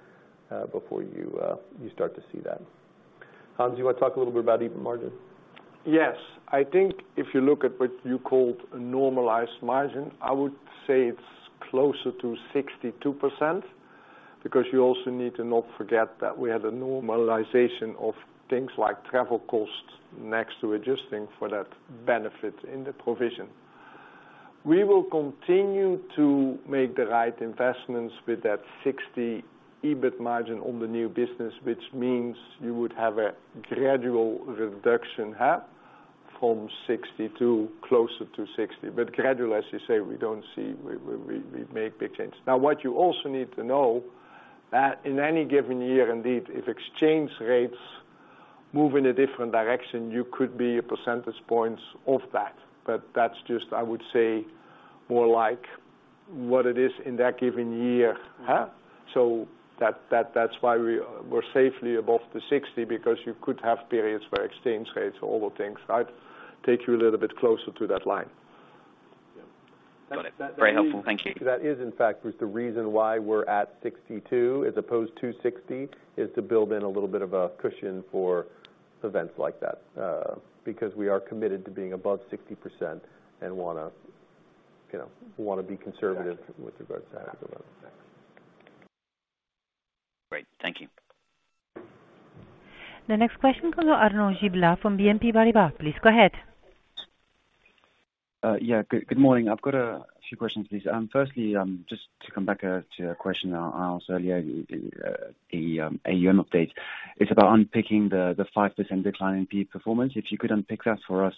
before you start to see that. Hans, do you wanna talk a little bit about EBIT margin? Yes. I think if you look at what you called a normalized margin, I would say it's closer to 62% because you also need to not forget that we had a normalization of things like travel costs next to adjusting for that benefit in the provision. We will continue to make the right investments with that 60% EBIT margin on the new business, which means you would have a gradual reduction from 60% to closer to 60%. Gradual, as you say, we don't see we make big changes. Now, what you also need to know, that in any given year, indeed, if exchange rates move in a different direction, you could be a percentage points of that. But that's just, I would say more like what it is in that given year. That's why we're safely above the 60%, because you could have periods where exchange rates, all the things, right, take you a little bit closer to that line. That is, in fact, was the reason why we're at 62% as opposed to 60%, is to build in a little bit of a cushion for events like that, because we are committed to being above 60% and wanna, you know, be conservative with regards to that as well. Great. Thank you. The next question comes from Arnaud Giblat from BNP Paribas. Please go ahead. Good morning. I've got a few questions, please. Firstly, just to come back to a question I asked earlier, the AUM update. It's about unpicking the 5% decline in PE performance. If you could unpick that for us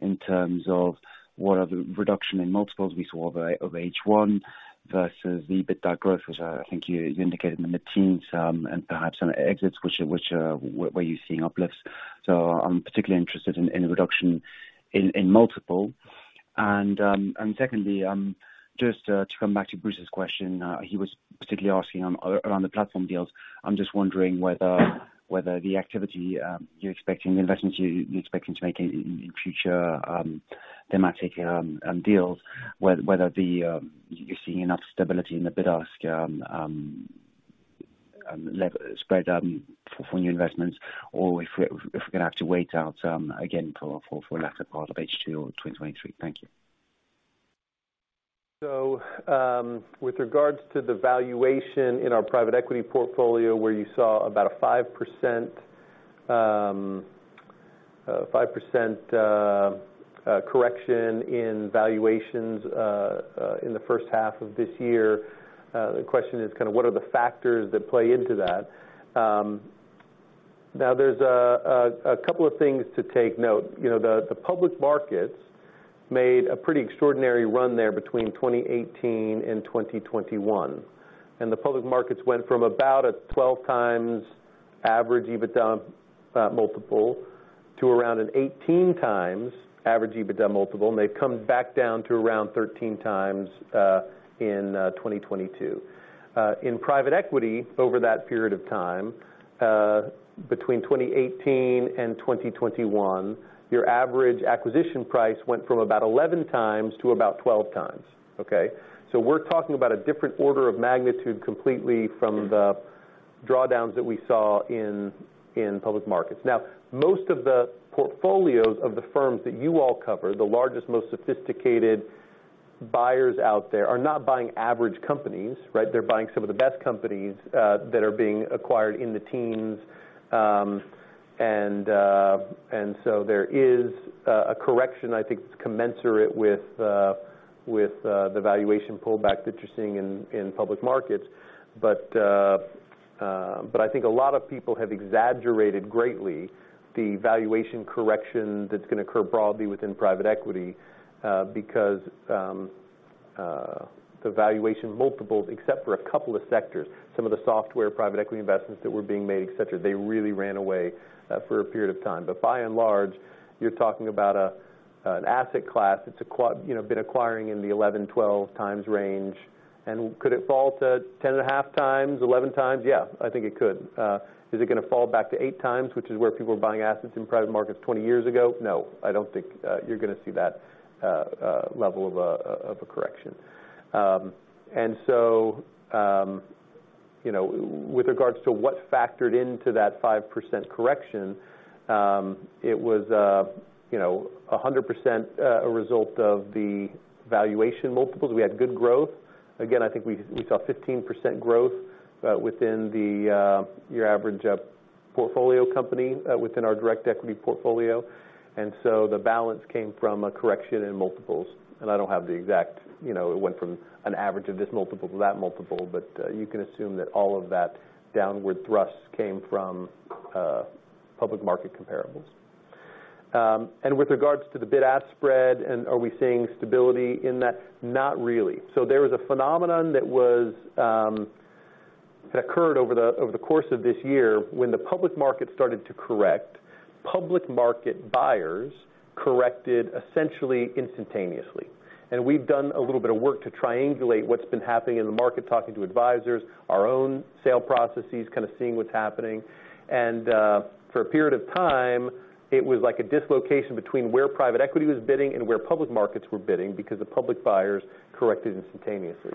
in terms of what are the reduction in multiples we saw over of H1 versus the EBITDA growth, which I think you indicated in the mid-teens, and perhaps on exits which where you're seeing uplifts. I'm particularly interested in the reduction in multiple. Secondly, just to come back to Bruce's question. He was particularly asking around the platform deals. I'm just wondering whether the activity you're expecting, the investments you're expecting to make in future thematic deals, whether you're seeing enough stability in the bid-ask spread for new investments, or if we're gonna have to wait out again for the latter part of H2 or 2023. Thank you. With regards to the valuation in our private equity portfolio, where you saw about a 5% correction in valuations in the 1st half of this year, the question is kind of what are the factors that play into that? Now there's a couple of things to take note. You know, the public markets made a pretty extraordinary run there between 2018 and 2021. The public markets went from about a 12x average EBITDA multiple to around an 18x average EBITDA multiple, and they've come back down to around 13x in 2022. In private equity over that period of time, between 2018 and 2021, your average acquisition price went from about 11x to about 12x. Okay. We're talking about a different order of magnitude completely from the drawdowns that we saw in public markets. Now, most of the portfolios of the firms that you all cover, the largest, most sophisticated buyers out there are not buying average companies, right? They're buying some of the best companies that are being acquired in the teens. There is a correction I think is commensurate with the valuation pullback that you're seeing in public markets. I think a lot of people have exaggerated greatly the valuation correction that's gonna occur broadly within private equity, because the valuation multiples, except for a couple of sectors, some of the software private equity investments that were being made, et cetera, they really ran away for a period of time. By and large, you're talking about an asset class that's you know, been acquiring in the 11x-12x range. Could it fall to 10.5x, 11x? Yeah, I think it could. Is it gonna fall back to 8x, which is where people were buying assets in private markets 20 years ago? No, I don't think you're gonna see that level of a correction. You know, with regards to what factored into that 5% correction, it was you know, 100% a result of the valuation multiples. We had good growth. Again, I think we saw 15% growth within your average portfolio company within our direct equity portfolio. The balance came from a correction in multiples. I don't have the exact, you know, it went from an average of this multiple to that multiple, but you can assume that all of that downward thrust came from public market comparables. With regards to the bid-ask spread and are we seeing stability in that? Not really. There was a phenomenon that occurred over the course of this year when the public market started to correct. Public market buyers corrected essentially instantaneously. We've done a little bit of work to triangulate what's been happening in the market, talking to advisors, our own sale processes, kind of seeing what's happening. For a period of time, it was like a dislocation between where private equity was bidding and where public markets were bidding because the public buyers corrected instantaneously.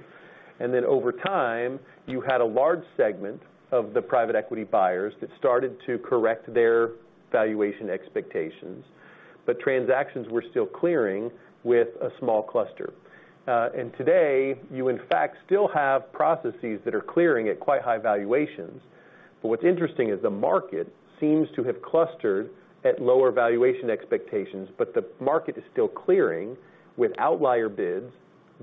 Over time, you had a large segment of the private equity buyers that started to correct their valuation expectations, but transactions were still clearing with a small cluster. Today, you in fact still have processes that are clearing at quite high valuations. What's interesting is the market seems to have clustered at lower valuation expectations, but the market is still clearing with outlier bids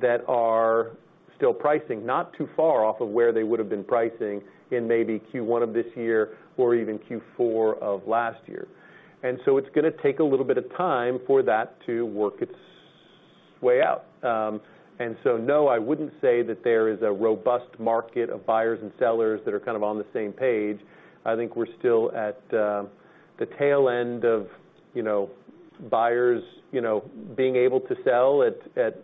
that are still pricing not too far off of where they would've been pricing in maybe Q1 of this year or even Q4 of last year. It's gonna take a little bit of time for that to work its way out. No, I wouldn't say that there is a robust market of buyers and sellers that are kind of on the same page. I think we're still at the tail end of, you know, buyers, you know, being able to sell at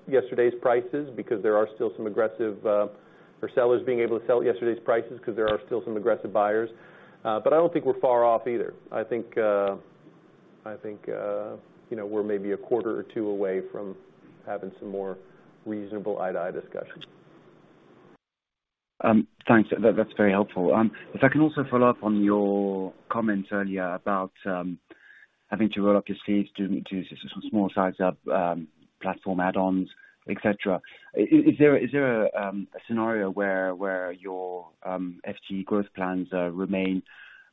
yesterday's prices because there are still some aggressive or sellers being able to sell at yesterday's prices 'cause there are still some aggressive buyers. I don't think we're far off either. I think, you know, we're maybe a quarter or two away from having some more reasonable eye-to-eye discussions. Thanks. That's very helpful. If I can also follow up on your comments earlier about having to roll up your sleeves to some small-sized platform add-ons, et cetera. Is there a scenario where your FTE growth plans remain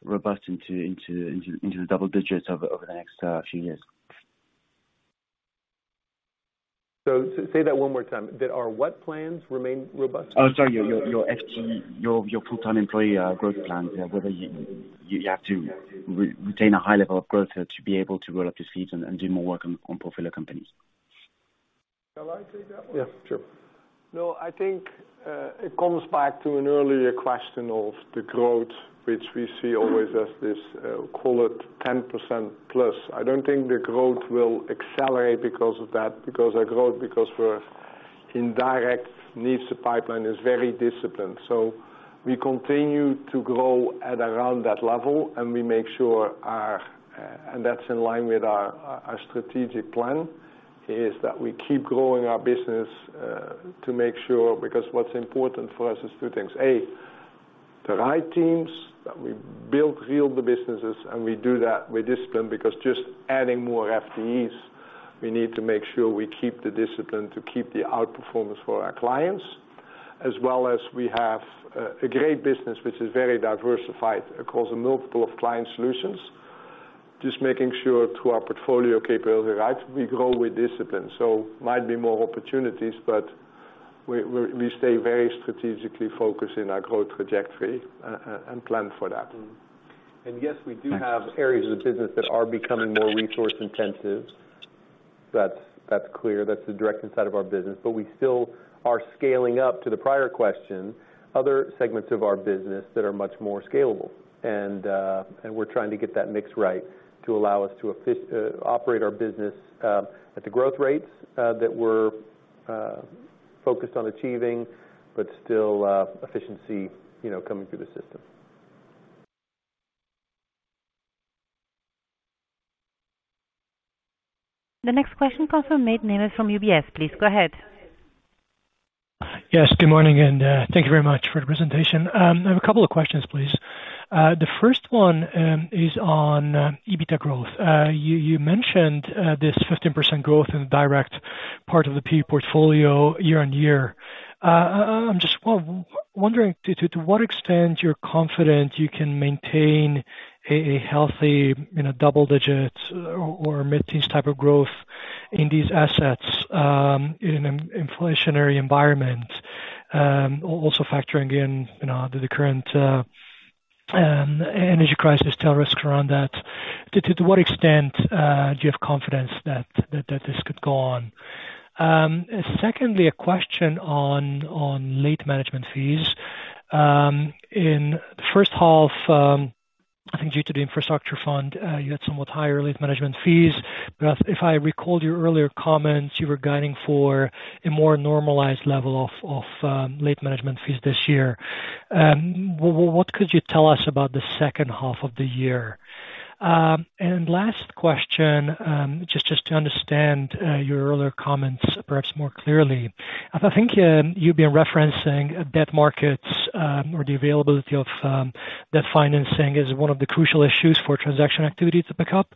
robust into the double digits over the next few years? Say that one more time. That our what plans remain robust? Oh, sorry. Your full-time employee growth plans, whether you have to retain a high level of growth to be able to roll up your sleeves and do more work on portfolio companies. Shall I take that one? Yeah, sure. No, I think it comes back to an earlier question of the growth, which we see always as this, call it 10%+. I don't think the growth will accelerate because of that, because our growth, because our investment pipeline is very disciplined. We continue to grow at around that level, and we make sure, and that's in line with our strategic plan, that we keep growing our business to make sure because what's important for us is two things. A, the right teams that we build the businesses, and we do that with discipline because just adding more FTEs, we need to make sure we keep the discipline to keep the outperformance for our clients, as well as we have a great business which is very diversified across multiple client solutions. Just making sure to our portfolio capability right, we grow with discipline. Might be more opportunities, but we stay very strategically focused in our growth trajectory and plan for that. Yes, we do have areas of the business that are becoming more resource intensive. That's clear. That's the direct side of our business. We still are scaling up to the prior question, other segments of our business that are much more scalable. We're trying to get that mix right to allow us to operate our business at the growth rates that we're focused on achieving, but still efficiency, you know, coming through the system. The next question comes from Mate Nemes from UBS. Please go ahead. Yes, good morning, and thank you very much for the presentation. I have a couple of questions, please. The 1st one is on EBITDA growth. You mentioned this 15% growth in the direct part of the PE portfolio year-on-year. I'm just wondering to what extent you're confident you can maintain a healthy, you know, double-digit or mid-teens type of growth in these assets, in an inflationary environment, also factoring in, you know, the current energy crisis tail risk around that. To what extent do you have confidence that this could go on? Secondly, a question on late management fees. In the 1st half, I think due to the infrastructure fund, you had somewhat higher late management fees. If I recall your earlier comments, you were guiding for a more normalized level of late management fees this year. What could you tell us about the 2nd half of the year? Last question, just to understand your earlier comments perhaps more clearly. I think you've been referencing debt markets or the availability of debt financing as one of the crucial issues for transaction activity to pick up.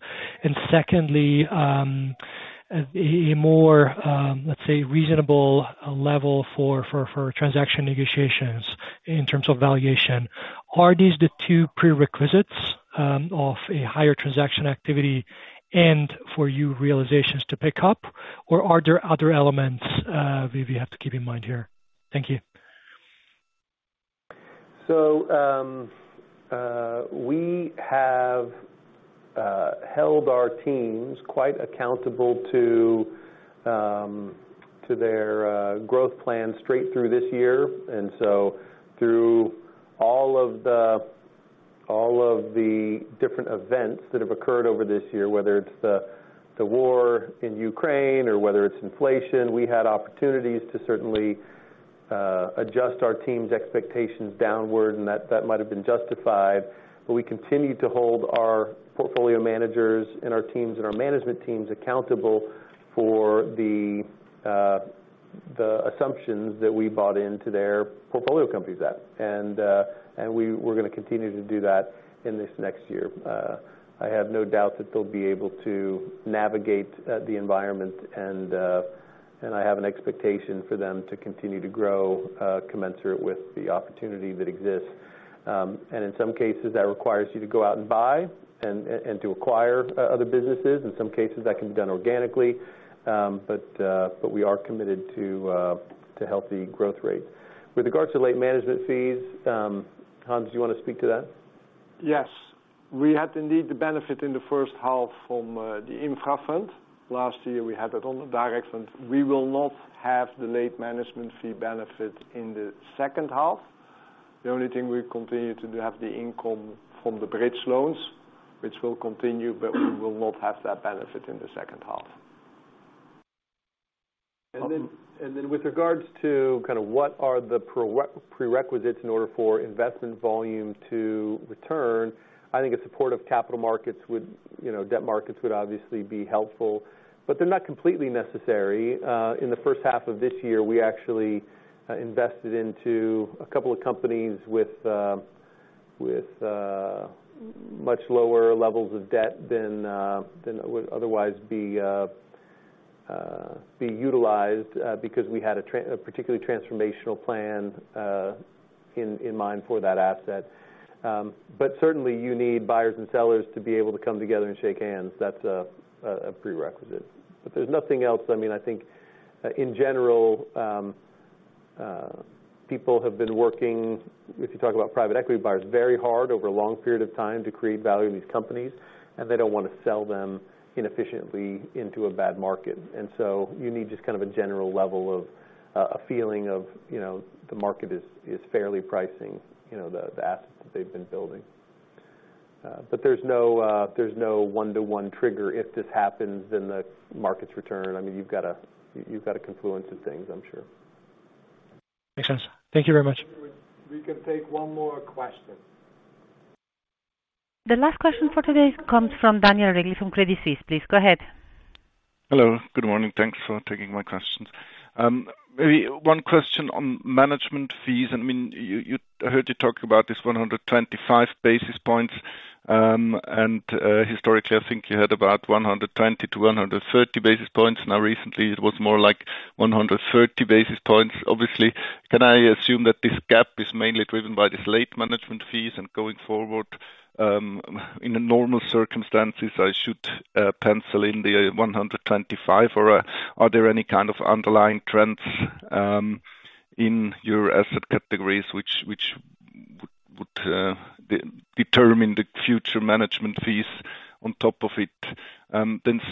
Secondly, a more, let's say, reasonable level for transaction negotiations in terms of valuation. Are these the two prerequisites of a higher transaction activity and for your realizations to pick up, or are there other elements we have to keep in mind here? Thank you. We have held our teams quite accountable to their growth plan straight through this year. Through all of the different events that have occurred over this year, whether it's the war in Ukraine or whether it's inflation, we had opportunities to certainly adjust our team's expectations downward, and that might have been justified. We continued to hold our portfolio managers and our teams and our management teams accountable for the assumptions that we bought into their portfolio companies at. We're gonna continue to do that in this next year. I have no doubt that they'll be able to navigate the environment and I have an expectation for them to continue to grow commensurate with the opportunity that exists. In some cases, that requires you to go out and buy and to acquire other businesses. In some cases, that can be done organically. We are committed to healthy growth rates. With regards to late management fees, Hans, do you wanna speak to that? Yes. We had indeed the benefit in the 1st half from the infra fund. Last year, we had it on the direct fund. We will not have the late management fee benefit in the 2nd half. The only thing we continue to have the income from the bridge loans, which will continue, but we will not have that benefit in the 2nd half. With regards to kind of what are the pre-requisites in order for investment volume to return, I think a supportive capital markets would, you know, debt markets would obviously be helpful, but they're not completely necessary. In the 1st half of this year, we actually invested into a couple of companies with much lower levels of debt than would otherwise be utilized, because we had a particularly transformational plan in mind for that asset. Certainly you need buyers and sellers to be able to come together and shake hands. That's a prerequisite. There's nothing else. I mean, I think in general, people have been working, if you talk about private equity buyers, very hard over a long period of time to create value in these companies, and they don't want to sell them inefficiently into a bad market. You need just kind of a general level of a feeling of, you know, the market is fairly pricing, you know, the assets that they've been building. There's no one to one trigger if this happens, then the markets return. I mean, you've got a confluence of things, I'm sure. Makes sense. Thank you very much. We can take one more question. The last question for today comes from Daniel Regli from Credit Suisse, please go ahead. Hello, good morning. Thanks for taking my questions. Maybe one question on management fees. I mean, I heard you talk about this 125 basis points. Historically, I think you had about 120 basis points-130 basis points. Now, recently it was more like 130 basis points, obviously. Can I assume that this gap is mainly driven by these late management fees and going forward, in a normal circumstances, I should pencil in the 125 basis points? Or are there any kind of underlying trends in your asset categories which would determine the future management fees on top of it?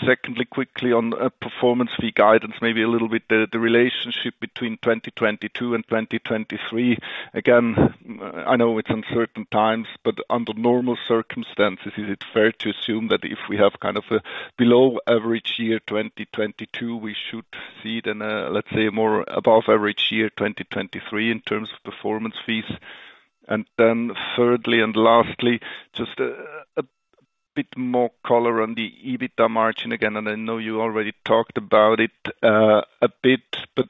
Secondly, quickly on performance fee guidance, maybe a little bit the relationship between 2022 and 2023. I know it's uncertain times, but under normal circumstances, is it fair to assume that if we have kind of a below average year 2022, we should see it in a, let's say, more above average year, 2023 in terms of performance fees? Thirdly and lastly, just a bit more color on the EBITDA margin. I know you already talked about it a bit, but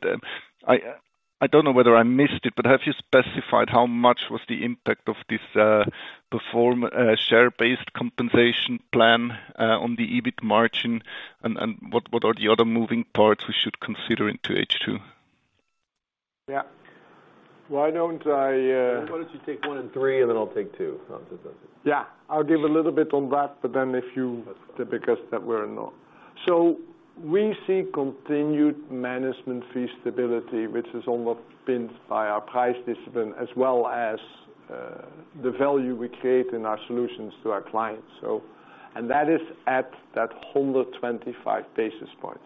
I don't know whether I missed it, but have you specified how much was the impact of this share-based compensation plan on the EBIT margin? What are the other moving parts we should consider into H2? Yeah. Why don't I Why don't you take one and three, and then I'll take two? Yeah. I'll give a little bit on that. We see continued management fee stability, which is almost pinned by our price discipline as well as the value we create in our solutions to our clients. That is at that 125 basis points.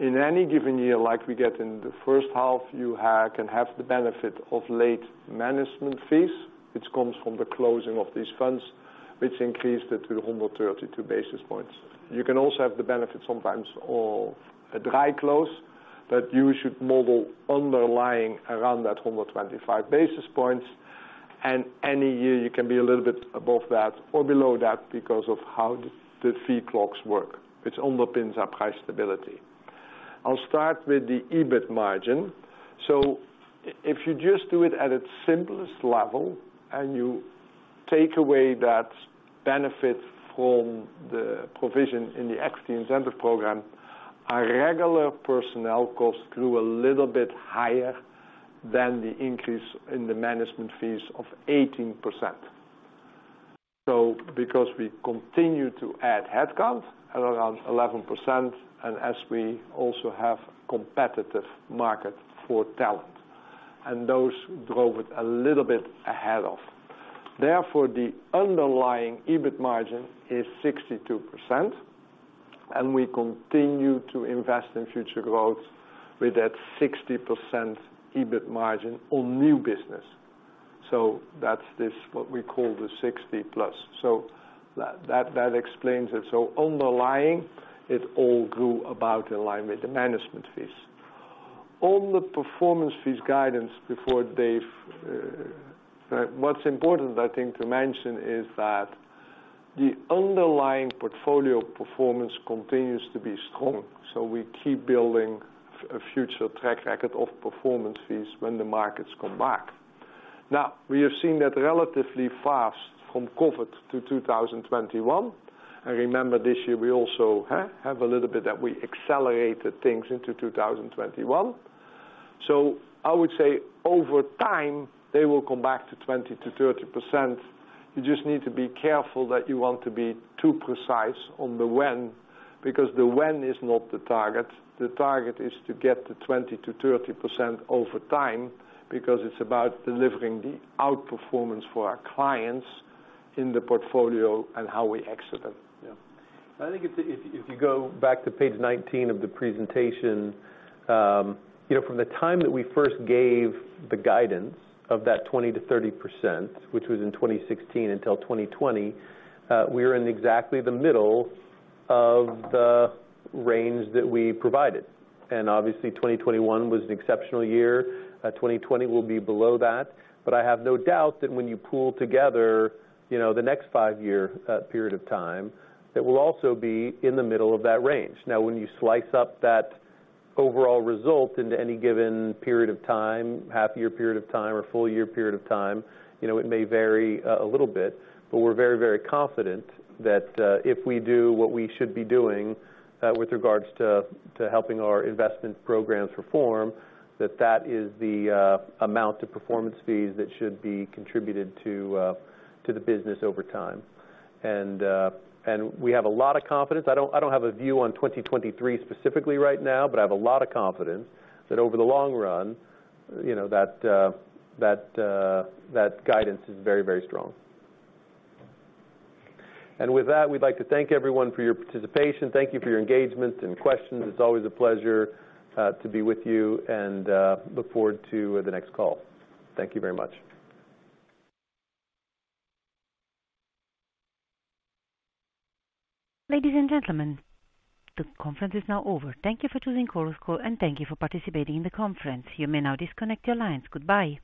In any given year, like we get in the 1st half, you can have the benefit of late management fees, which comes from the closing of these funds, which increased it to 132 basis points. You can also have the benefit sometimes of a dry close that you should model underlying around that 125 basis points. Any year you can be a little bit above that or below that because of how the fee clocks work, which underpins our price stability. I'll start with the EBIT margin. If you just do it at its simplest level, and you take away that benefit from the provision in the equity incentive program, our regular personnel costs grew a little bit higher than the increase in the management fees of 18%. Because we continue to add headcount at around 11%, and as we also have competitive market for talent, and those drove it a little bit ahead of. Therefore, the underlying EBIT margin is 62%, and we continue to invest in future growth with that 60% EBIT margin on new business. That's this, what we call the 60%+. That explains it. Underlying, it all grew about in line with the management fees. On the performance fees guidance before Dave. What's important, I think, to mention is that the underlying portfolio performance continues to be strong, so we keep building a future track record of performance fees when the markets come back. Now, we have seen that relatively fast from COVID to 2021. Remember this year we also have a little bit that we accelerated things into 2021. I would say over time, they will come back to 20%-30%. You just need to be careful that you want to be too precise on the when, because the when is not the target. The target is to get to 20%-30% over time because it's about delivering the outperformance for our clients in the portfolio and how we exit them. Yeah. I think if you go back to page 19 of the presentation, you know, from the time that we 1st gave the guidance of that 20%-30%, which was in 2016 until 2020, we are in exactly the middle of the range that we provided. Obviously, 2021 was an exceptional year. 2020 will be below that. I have no doubt that when you pull together, you know, the next five-year period of time, it will also be in the middle of that range. Now, when you slice up that overall result into any given period of time, half year period of time or full year period of time, you know, it may vary a little bit, but we're very, very confident that if we do what we should be doing with regards to helping our investment programs perform, that is the amount of performance fees that should be contributed to the business over time. We have a lot of confidence. I don't have a view on 2023 specifically right now, but I have a lot of confidence that over the long run, you know, that guidance is very, very strong. With that, we'd like to thank everyone for your participation. Thank you for your engagement and questions. It's always a pleasure to be with you and look forward to the next call. Thank you very much. Ladies and gentlemen, the conference is now over. Thank you for choosing Chorus Call, and thank you for participating in the conference. You may now disconnect your lines. Goodbye.